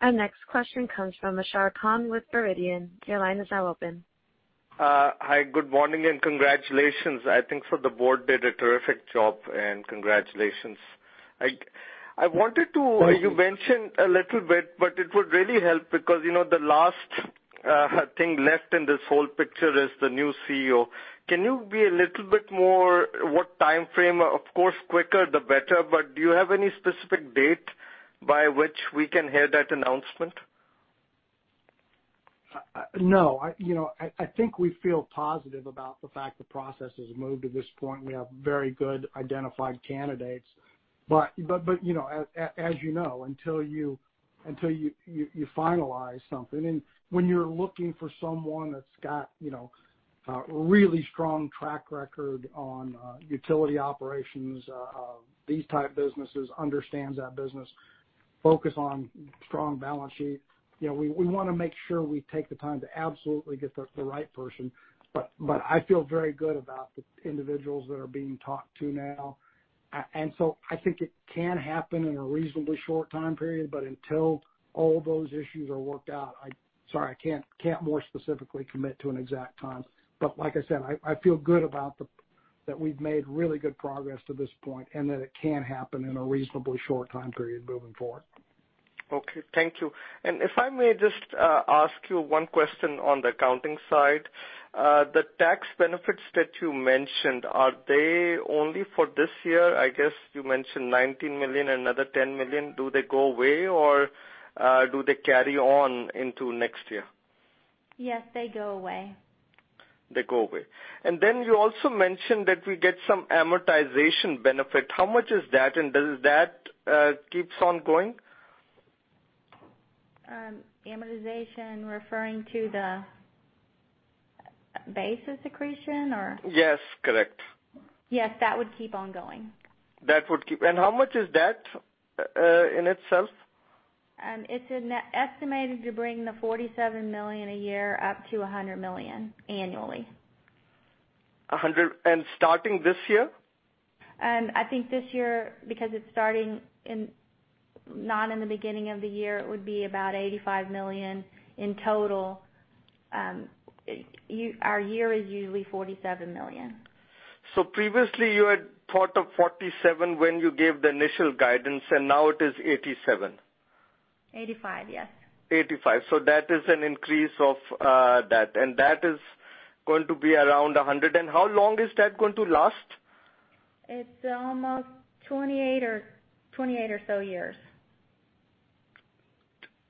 Our next question comes from Ashar Khan with Verition. Your line is now open. Hi, good morning. Congratulations. I think the Board did a terrific job, and congratulations. You mentioned a little bit, but it would really help because the last thing left in this whole picture is the new CEO. Can you be a little bit more what time frame? Of course, quicker the better, but do you have any specific date by which we can hear that announcement? No. I think we feel positive about the fact the process has moved to this point. We have very good identified candidates. As you know, until you finalize something, and when you're looking for someone that's got a really strong track record on utility operations of these type businesses, understands that business. Focus on strong balance sheet. We want to make sure we take the time to absolutely get the right person. I feel very good about the individuals that are being talked to now. I think it can happen in a reasonably short time period. Until all those issues are worked out, sorry, I can't more specifically commit to an exact time. Like I said, I feel good about that we've made really good progress to this point and that it can happen in a reasonably short time period moving forward. Okay. Thank you. If I may just ask you one question on the accounting side. The tax benefits that you mentioned, are they only for this year? I guess you mentioned $19 million, another $10 million. Do they go away, or do they carry on into next year? Yes, they go away. They go away. You also mentioned that we get some amortization benefit. How much is that, and does that keeps on going? Amortization referring to the basis accretion, or? Yes, correct. Yes. That would keep on going. How much is that in itself? It's estimated to bring the $47 million a year up to $100 million annually. $100 million. Starting this year? I think this year, because it's starting not in the beginning of the year, it would be about $85 million in total. Our year is usually $47 million. Previously you had thought of $47 million when you gave the initial guidance, and now it is $87 million. $85 million, yes. $85 million. That is an increase of that. That is going to be around $100 million. How long is that going to last? It's almost 28 or so years.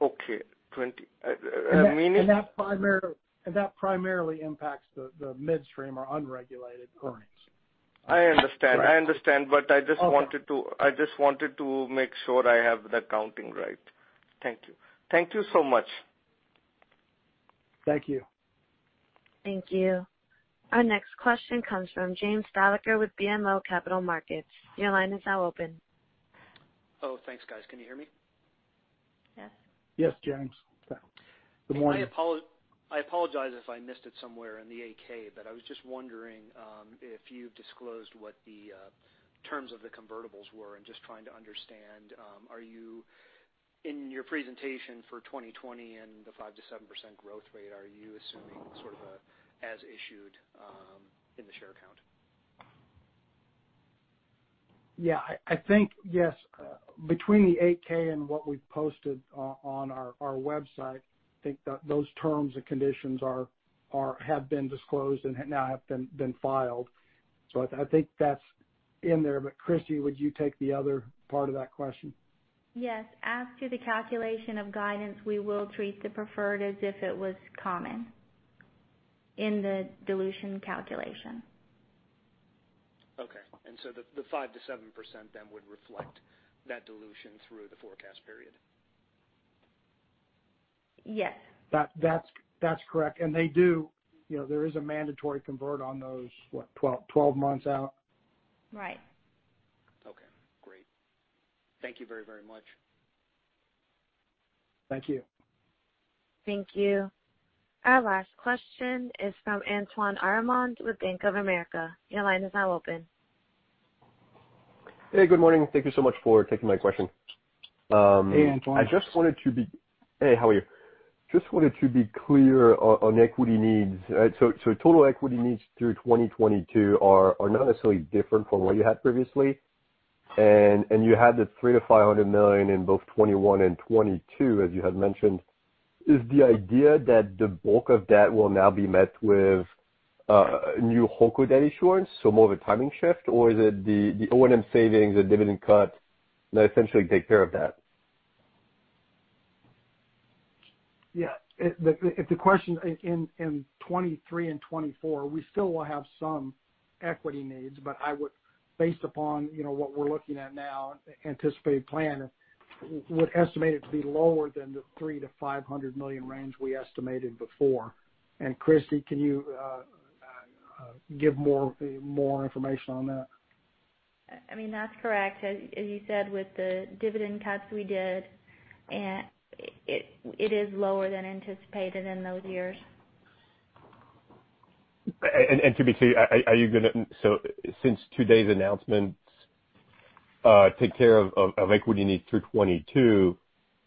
Okay. Meaning? That primarily impacts the midstream or unregulated earnings. I understand. Right. I understand, I just wanted to. Okay. I just wanted to make sure I have the accounting right. Thank you. Thank you so much. Thank you. Thank you. Our next question comes from James Thalacker with BMO Capital Markets. Your line is now open. Oh, thanks, guys. Can you hear me? Yes. Yes, James. Good morning. I apologize if I missed it somewhere in the 8-K, I was just wondering if you've disclosed what the terms of the convertibles were and just trying to understand, in your presentation for 2020 and the 5%-7% growth rate, are you assuming sort of as issued in the share count? Yeah, I think yes. Between the 8-K and what we've posted on our website, I think that those terms and conditions have been disclosed and now have been filed. I think that's in there. Kristie, would you take the other part of that question? Yes. As to the calculation of guidance, we will treat the preferred as if it was common in the dilution calculation. Okay. The 5%-7% then would reflect that dilution through the forecast period. Yes. That's correct. There is a mandatory convert on those, what, 12 months out. Right. Okay, great. Thank you very much. Thank you. Thank you. Our last question is from Antoine Aurimond with Bank of America. Your line is now open. Hey, good morning. Thank you so much for taking my question. Hey, Antoine. Hey, how are you? Just wanted to be clear on equity needs. Total equity needs through 2022 are not necessarily different from what you had previously. You had the $300 million-$500 million in both 2021 and 2022, as you had mentioned. Is the idea that the bulk of that will now be met with new holdco debt issuance, so more of a timing shift? Is it the O&M savings, the dividend cut that essentially take care of that? Yeah. If the question in 2023 and 2024, we still will have some equity needs, but based upon what we're looking at now, anticipated plan, would estimate it to be lower than the $300 million-$500 million range we estimated before. Kristie, can you give more information on that? That's correct. As you said, with the dividend cuts we did, it is lower than anticipated in those years. To be clear, since today's announcements take care of equity needs through 2022,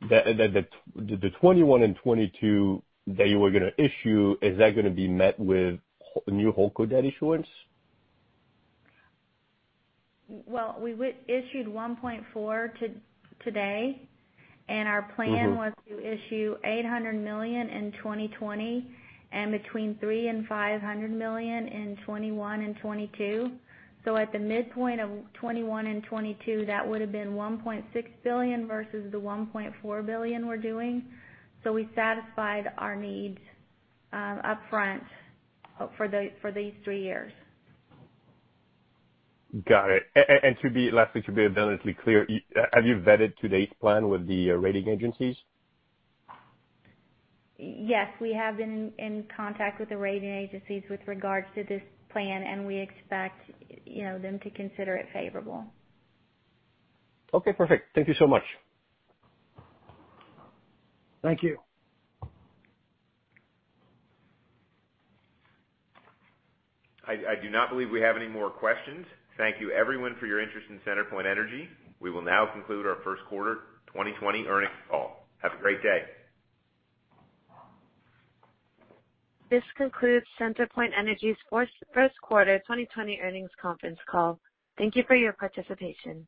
the 2021 and 2022 that you were going to issue, is that going to be met with new holdco debt issuance? Well, we issued $1.4 billion today. Our plan was to issue $800 million in 2020 and between $300 million and $500 million in 2021 and 2022. At the midpoint of 2021 and 2022, that would have been $1.6 billion versus the $1.4 billion we're doing. We satisfied our needs upfront for these three years. Got it. Lastly, to be abundantly clear, have you vetted today's plan with the rating agencies? Yes. We have been in contact with the rating agencies with regards to this plan. We expect them to consider it favorable. Okay, perfect. Thank you so much. Thank you. I do not believe we have any more questions. Thank you everyone for your interest in CenterPoint Energy. We will now conclude our first quarter 2020 earnings call. Have a great day. This concludes CenterPoint Energy's first quarter 2020 earnings conference call. Thank you for your participation.